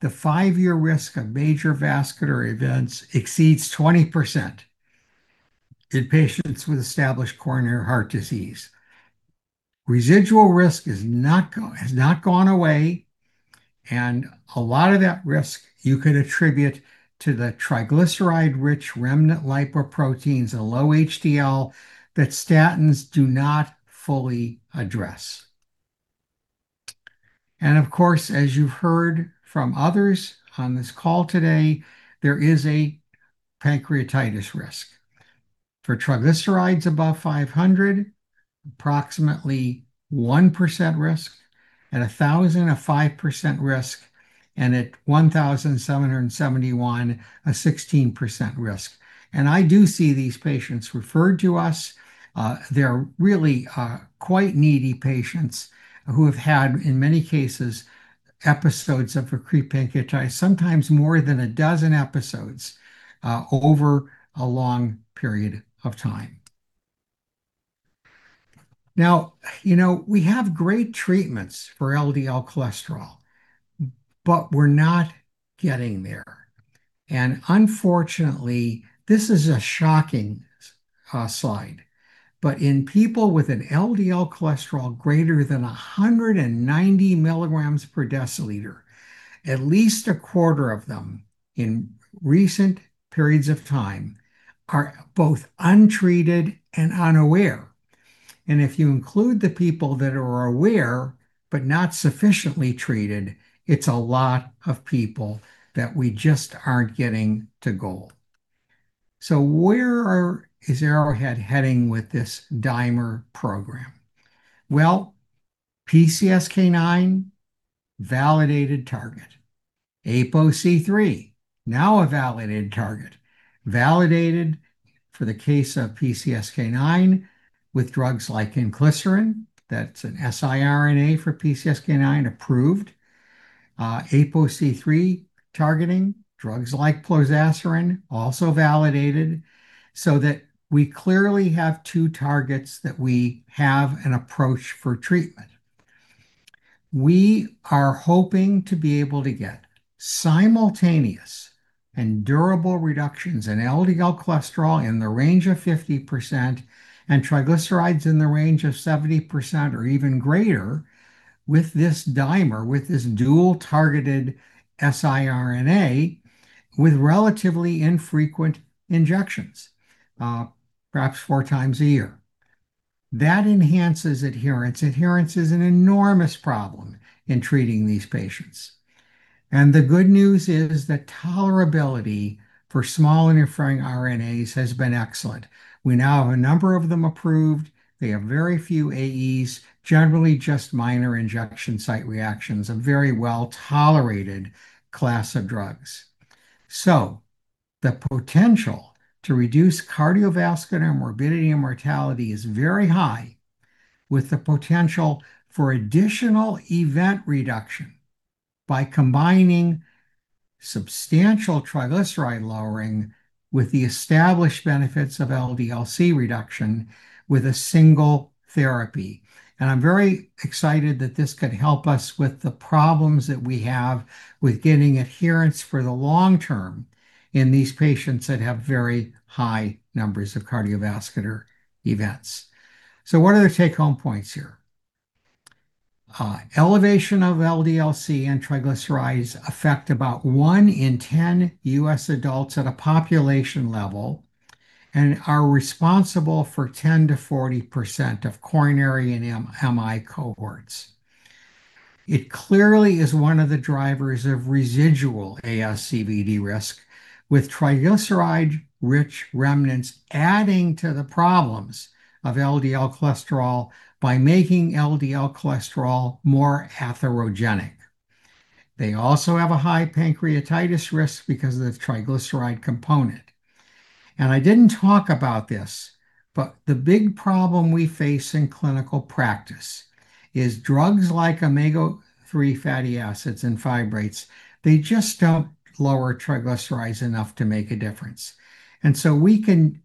the five-year risk of major vascular events exceeds 20% in patients with established coronary heart disease. Residual risk has not gone away, and a lot of that risk you could attribute to the triglyceride-rich remnant lipoproteins and low HDL that statins do not fully address. Of course, as you've heard from others on this call today, there is a pancreatitis risk. For triglycerides above 500, approximately 1% risk, at 1,000, a 5% risk, and at 1,771, a 16% risk. I do see these patients referred to us. They're really quite needy patients who have had, in many cases, episodes of acute pancreatitis, sometimes more than a dozen episodes over a long period of time. Now, we have great treatments for LDL cholesterol, we're not getting there. Unfortunately, this is a shocking slide, in people with an LDL cholesterol greater than 190 mg per deciliter, at least a quarter of them in recent periods of time are both untreated and unaware. If you include the people that are aware but not sufficiently treated, it's a lot of people that we just aren't getting to goal. Where is Arrowhead heading with this DIMER program? Well PCSK9, validated target. APOC3, now a validated target. Validated for the case of PCSK9 with drugs like inclisiran. That's an siRNA for PCSK9, approved. APOC3 targeting, drugs like plozasiran, also validated. That we clearly have two targets that we have an approach for treatment. We are hoping to be able to get simultaneous and durable reductions in LDL cholesterol in the range of 50% and triglycerides in the range of 70% or even greater with this DIMER, with this dual targeted siRNA, with relatively infrequent injections, perhaps four times a year. That enhances adherence. Adherence is an enormous problem in treating these patients. The good news is that tolerability for small interfering RNAs has been excellent. We now have a number of them approved. They have very few AEs, generally just minor injection site reactions, a very well-tolerated class of drugs. The potential to reduce cardiovascular morbidity and mortality is very high, with the potential for additional event reduction by combining substantial triglyceride lowering with the established benefits of LDL-C reduction with a single therapy. I'm very excited that this could help us with the problems that we have with getting adherence for the long term in these patients that have very high numbers of cardiovascular events. What are the take-home points here? Elevation of LDL-C and triglycerides affect about one in 10 U.S. adults at a population level and are responsible for 10%-40% of coronary and MI cohorts. It clearly is one of the drivers of residual ASCVD risk, with triglyceride-rich remnants adding to the problems of LDL cholesterol by making LDL cholesterol more atherogenic. They also have a high pancreatitis risk because of the triglyceride component. I didn't talk about this, but the big problem we face in clinical practice is drugs like omega-3 fatty acids and fibrates, they just don't lower triglycerides enough to make a difference. We can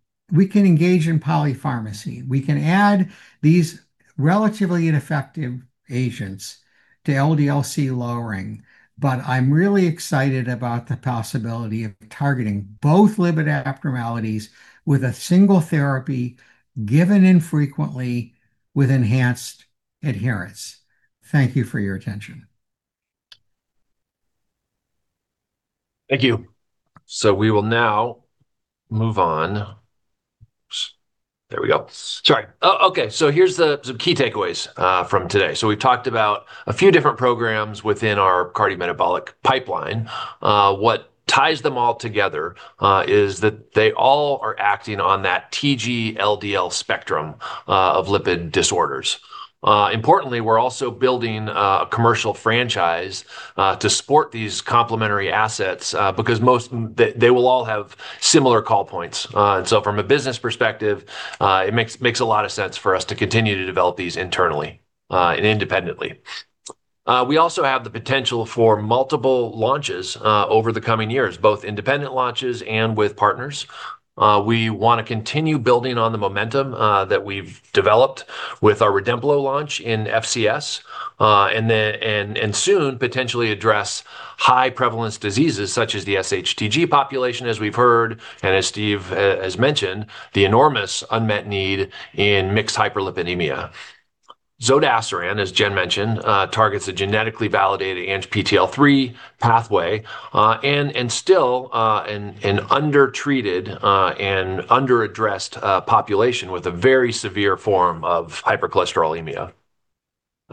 engage in polypharmacy. We can add these relatively ineffective agents to LDL-C lowering. I'm really excited about the possibility of targeting both lipid abnormalities with a single therapy given infrequently with enhanced adherence. Thank you for your attention.
Thank you. We will now move on. There we go. Sorry. Here's the key takeaways from today. We've talked about a few different programs within our cardiometabolic pipeline. What ties them all together is that they all are acting on that TG-LDL spectrum of lipid disorders. Importantly, we're also building a commercial franchise to support these complementary assets because they will all have similar call points. From a business perspective, it makes a lot of sense for us to continue to develop these internally and independently. We also have the potential for multiple launches over the coming years, both independent launches and with partners. We want to continue building on the momentum that we've developed with our REDEMPLO launch in FCS, and soon potentially address high prevalence diseases such as the sHTG population, as we've heard, and as Steve has mentioned, the enormous unmet need in mixed hyperlipidemia. Zodasiran, as Jen mentioned, targets a genetically validated ANGPTL3 pathway, and still an undertreated and under-addressed population with a very severe form of hypercholesterolemia.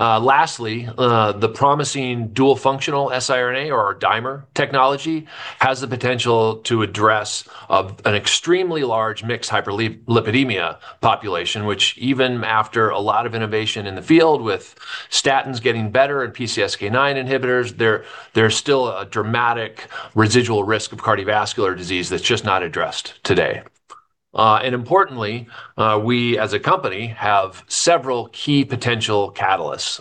Lastly, the promising dual functional siRNA or our dimer technology has the potential to address an extremely large mixed hyperlipidemia population, which even after a lot of innovation in the field with statins getting better and PCSK9 inhibitors, there's still a dramatic residual risk of cardiovascular disease that's just not addressed today. Importantly, we as a company have several key potential catalysts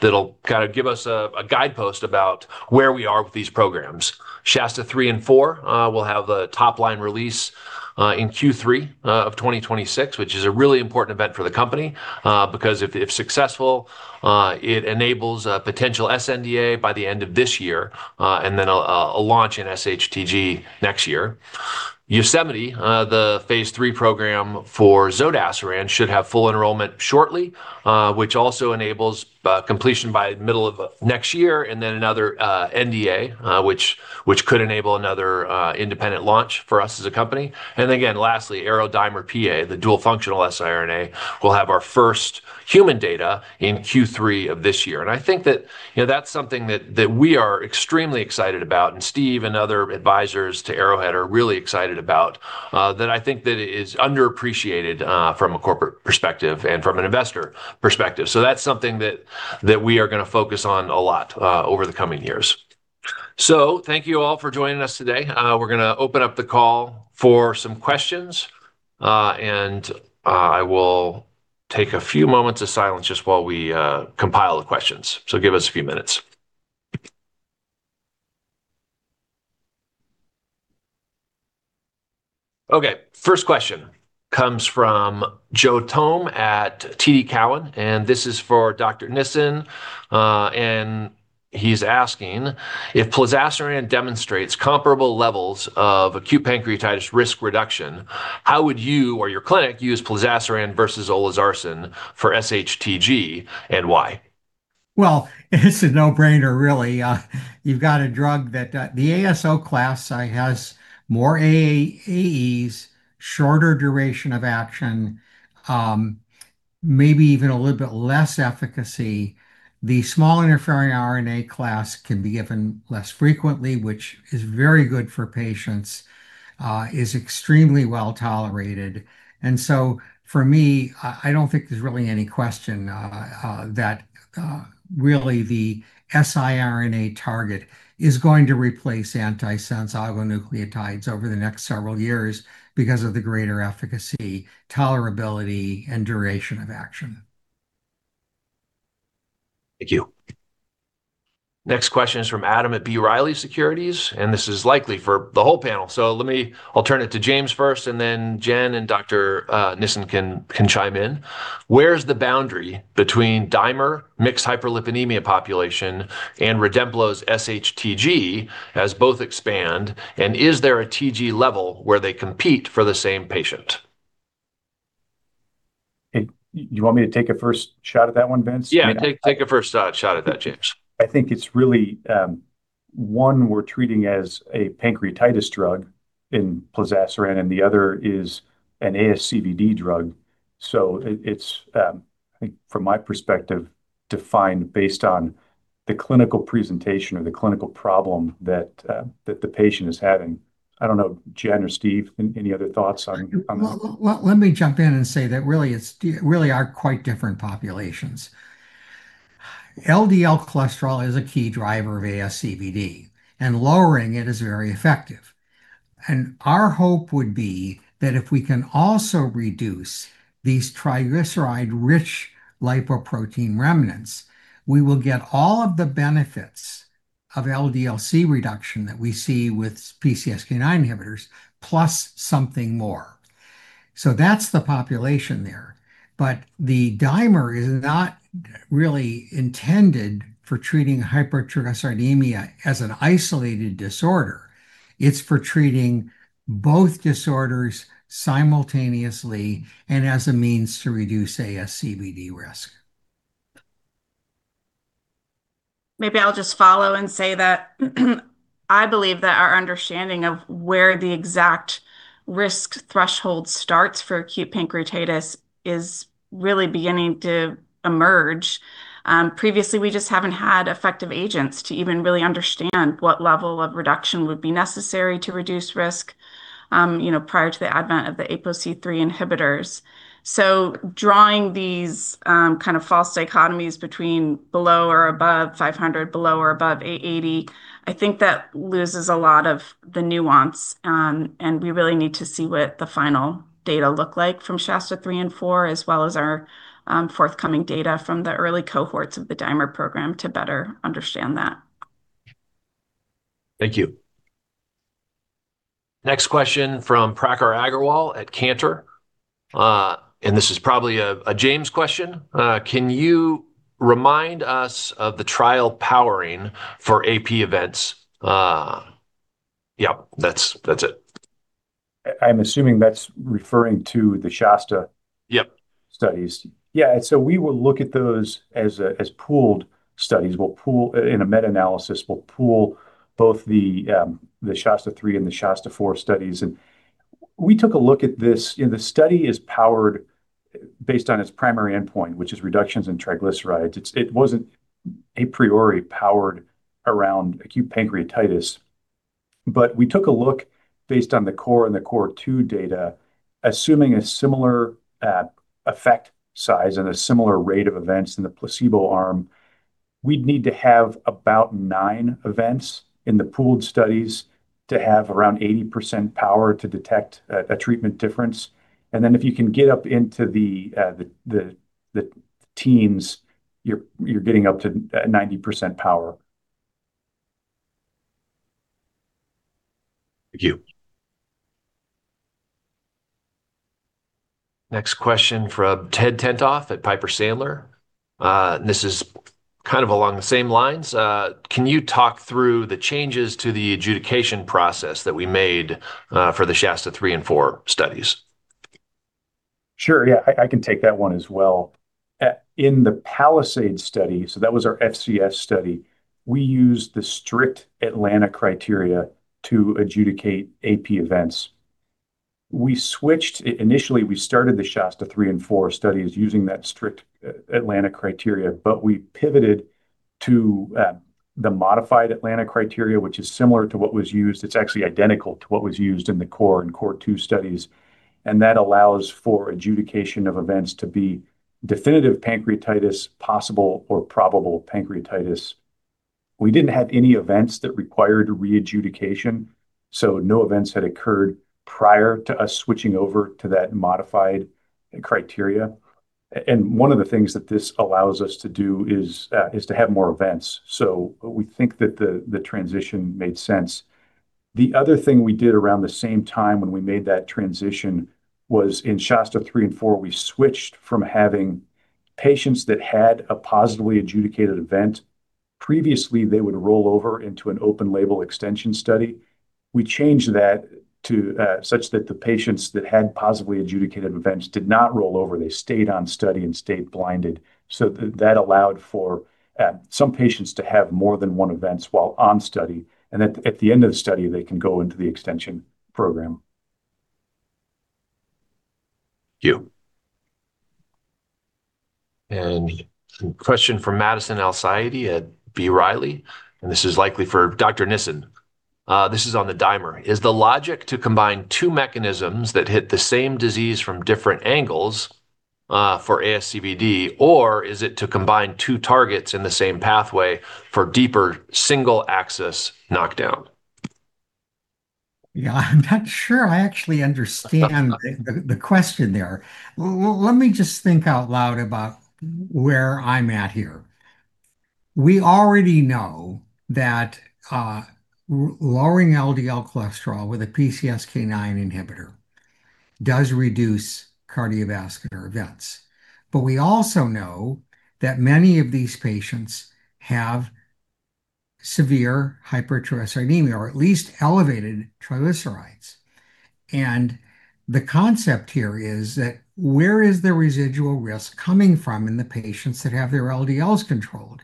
that'll give us a guidepost about where we are with these programs. SHASTA-3 and SHASTA-4 will have a top-line release in Q3 2026, which is a really important event for the company, because if successful, it enables a potential sNDA by the end of this year, then a launch in sHTG next year. YOSEMITE, the phase III program for zodasiran, should have full enrollment shortly, which also enables completion by middle of next year, then another NDA, which could enable another independent launch for us as a company. Lastly, ARO-DIMER-PA, the dual functional siRNA, will have our first human data in Q3 this year. I think that's something that we are extremely excited about, and Steve and other advisors to Arrowhead are really excited about, that I think that is underappreciated from a corporate perspective and from an investor perspective. That's something that we are going to focus on a lot over the coming years. Thank you all for joining us today. We're going to open up the call for some questions, I will take a few moments of silence just while we compile the questions. Give us a few minutes. Okay. First question comes from Joe Thome at TD Cowen, and this is for Dr. Nissen. He's asking, if plozasiran demonstrates comparable levels of acute pancreatitis risk reduction, how would you or your clinic use plozasiran versus olezarsen for sHTG, and why?
Well, it's a no-brainer, really. You've got a drug that the ASO class has more AEs, shorter duration of action. Maybe even a little bit less efficacy. The small interfering RNA class can be given less frequently, which is very good for patients, is extremely well-tolerated. For me, I don't think there's really any question that really the siRNA target is going to replace antisense oligonucleotides over the next several years because of the greater efficacy, tolerability, and duration of action.
Thank you. Next question is from Adam at B. Riley Securities, this is likely for the whole panel. Let me alternate to James first, then Jen and Dr. Nissen can chime in. Where is the boundary between DIMER, mixed hyperlipidemia population, and REDEMPLO's sHTG as both expand, is there a TG level where they compete for the same patient?
Hey, you want me to take a first shot at that one, Vince?
Yeah, take a first shot at that, James.
I think it's really one we're treating as a pancreatitis drug in plozasiran, and the other is an ASCVD drug. It's, I think from my perspective, defined based on the clinical presentation or the clinical problem that the patient is having. I don't know, Jen or Steve, any other thoughts on that?
Well, let me jump in and say that really are quite different populations. LDL cholesterol is a key driver of ASCVD, and lowering it is very effective. Our hope would be that if we can also reduce these triglyceride-rich lipoprotein remnants, we will get all of the benefits of LDL-C reduction that we see with PCSK9 inhibitors, plus something more. That's the population there. The DIMER is not really intended for treating hypertriglyceridemia as an isolated disorder. It's for treating both disorders simultaneously and as a means to reduce ASCVD risk.
Maybe I'll just follow and say that I believe that our understanding of where the exact risk threshold starts for acute pancreatitis is really beginning to emerge. Previously, we just haven't had effective agents to even really understand what level of reduction would be necessary to reduce risk prior to the advent of the APOC3 inhibitors. Drawing these kind of false dichotomies between below or above 500, below or above 880, I think that loses a lot of the nuance. We really need to see what the final data look like from SHASTA-3 and SHASTA-4, as well as our forthcoming data from the early cohorts of the DIMER program to better understand that.
Thank you. Next question from Prakhar Agrawal at Cantor, and this is probably a James question. Can you remind us of the trial powering for AP events? Yep, that's it.
I'm assuming that's referring to the SHASTA-
Yep.
....studies. Yeah, we will look at those as pooled studies. In a meta-analysis, we'll pool both the SHASTA-3 and the SHASTA-4 studies. We took a look at this. The study is powered based on its primary endpoint, which is reductions in triglycerides. It wasn't a priori powered around acute pancreatitis, but we took a look based on the CORE and the CORE2 data, assuming a similar effect size and a similar rate of events in the placebo arm. We'd need to have about nine events in the pooled studies to have around 80% power to detect a treatment difference. Then if you can get up into the teams, you're getting up to 90% power.
Thank you. Next question from Ted Tenthoff at Piper Sandler. This is kind of along the same lines. Can you talk through the changes to the adjudication process that we made for the SHASTA-3 and SHASTA-4 studies?
Sure. Yeah, I can take that one as well. In the PALISADE study, that was our FCS study, we used the strict Atlanta criteria to adjudicate AP events. Initially, we started the SHASTA-3 and SHASTA-4 studies using that strict Atlanta criteria, we pivoted to the modified Atlanta criteria, which is similar to what was used. It is actually identical to what was used in the CORE and CORE2 studies, and that allows for adjudication of events to be definitive pancreatitis, possible or probable pancreatitis. We did not have any events that required re-adjudication, no events had occurred prior to us switching over to that modified criteria. One of the things that this allows us to do is to have more events. We think that the transition made sense. The other thing we did around the same time when we made that transition was in SHASTA-3 and SHASTA-4, we switched from having patients that had a positively adjudicated event. Previously, they would roll over into an open label extension study. We changed that to such that the patients that had positively adjudicated events did not roll over. They stayed on study and stayed blinded. That allowed for some patients to have more than one event while on study, and at the end of the study, they can go into the extension program.
Thank you. A question from Madison El-Saadi at B. Riley, this is likely for Dr. Nissen. This is on the dimer. Is the logic to combine two mechanisms that hit the same disease from different angles, for ASCVD, or is it to combine two targets in the same pathway for deeper single axis knockdown?
Yeah. I'm not sure I actually understand the question there. Let me just think out loud about where I'm at here. We already know that lowering LDL cholesterol with a PCSK9 inhibitor does reduce cardiovascular events. We also know that many of these patients have severe hypertriglyceridemia, or at least elevated triglycerides. The concept here is that where is the residual risk coming from in the patients that have their LDLs controlled?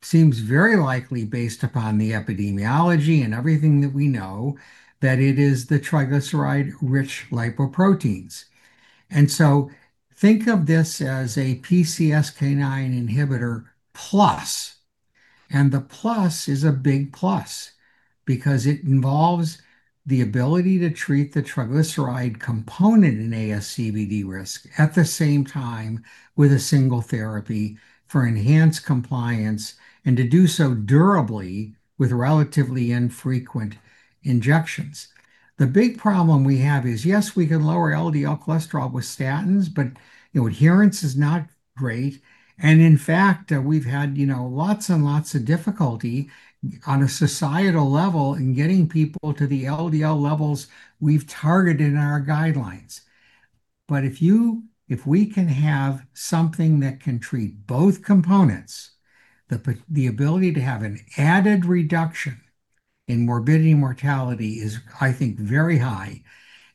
It seems very likely, based upon the epidemiology and everything that we know, that it is the triglyceride-rich lipoproteins. Think of this as a PCSK9 inhibitor plus, and the plus is a big plus because it involves the ability to treat the triglyceride component in ASCVD risk at the same time with a single therapy for enhanced compliance, and to do so durably with relatively infrequent injections. The big problem we have is, yes, we can lower LDL cholesterol with statins, but adherence is not great. In fact, we've had lots and lots of difficulty on a societal level in getting people to the LDL levels we've targeted in our guidelines. If we can have something that can treat both components, the ability to have an added reduction in morbidity and mortality is, I think, very high,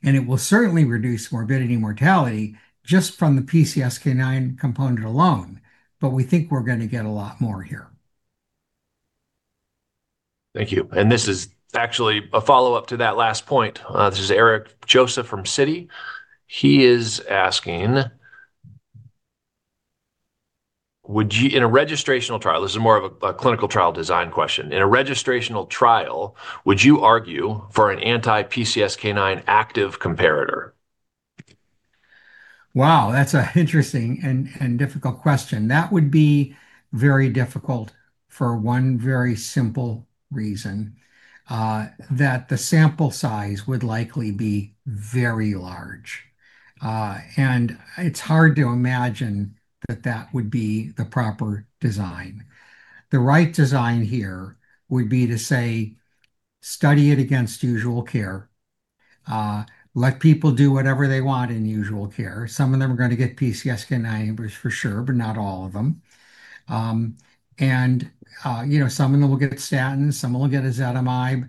and it will certainly reduce morbidity and mortality just from the PCSK9 component alone. We think we're going to get a lot more here.
Thank you. This is actually a follow-up to that last point. This is Eric Joseph from Citi. He is asking, in a registrational trial, this is more of a clinical trial design question. In a registrational trial, would you argue for an anti-PCSK9 active comparator?
Wow, that's an interesting and difficult question. That would be very difficult for one very simple reason, that the sample size would likely be very large. It's hard to imagine that that would be the proper design. The right design here would be to, say, study it against usual care. Let people do whatever they want in usual care. Some of them are going to get PCSK9 inhibitors for sure, but not all of them. Some of them will get statins, some will get ezetimibe,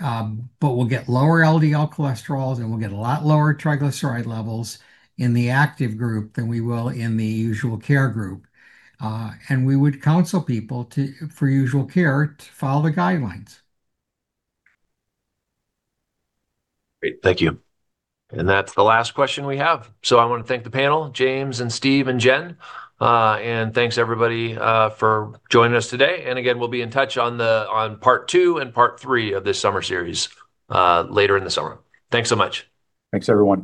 but we'll get lower LDL cholesterols, and we'll get a lot lower triglyceride levels in the active group than we will in the usual care group. We would counsel people for usual care to follow the guidelines.
Great. Thank you. That's the last question we have. I want to thank the panel, James and Steve and Jen. Thanks, everybody, for joining us today. Again, we'll be in touch on part two and part three of this summer series later in the summer. Thanks so much.
Thanks, everyone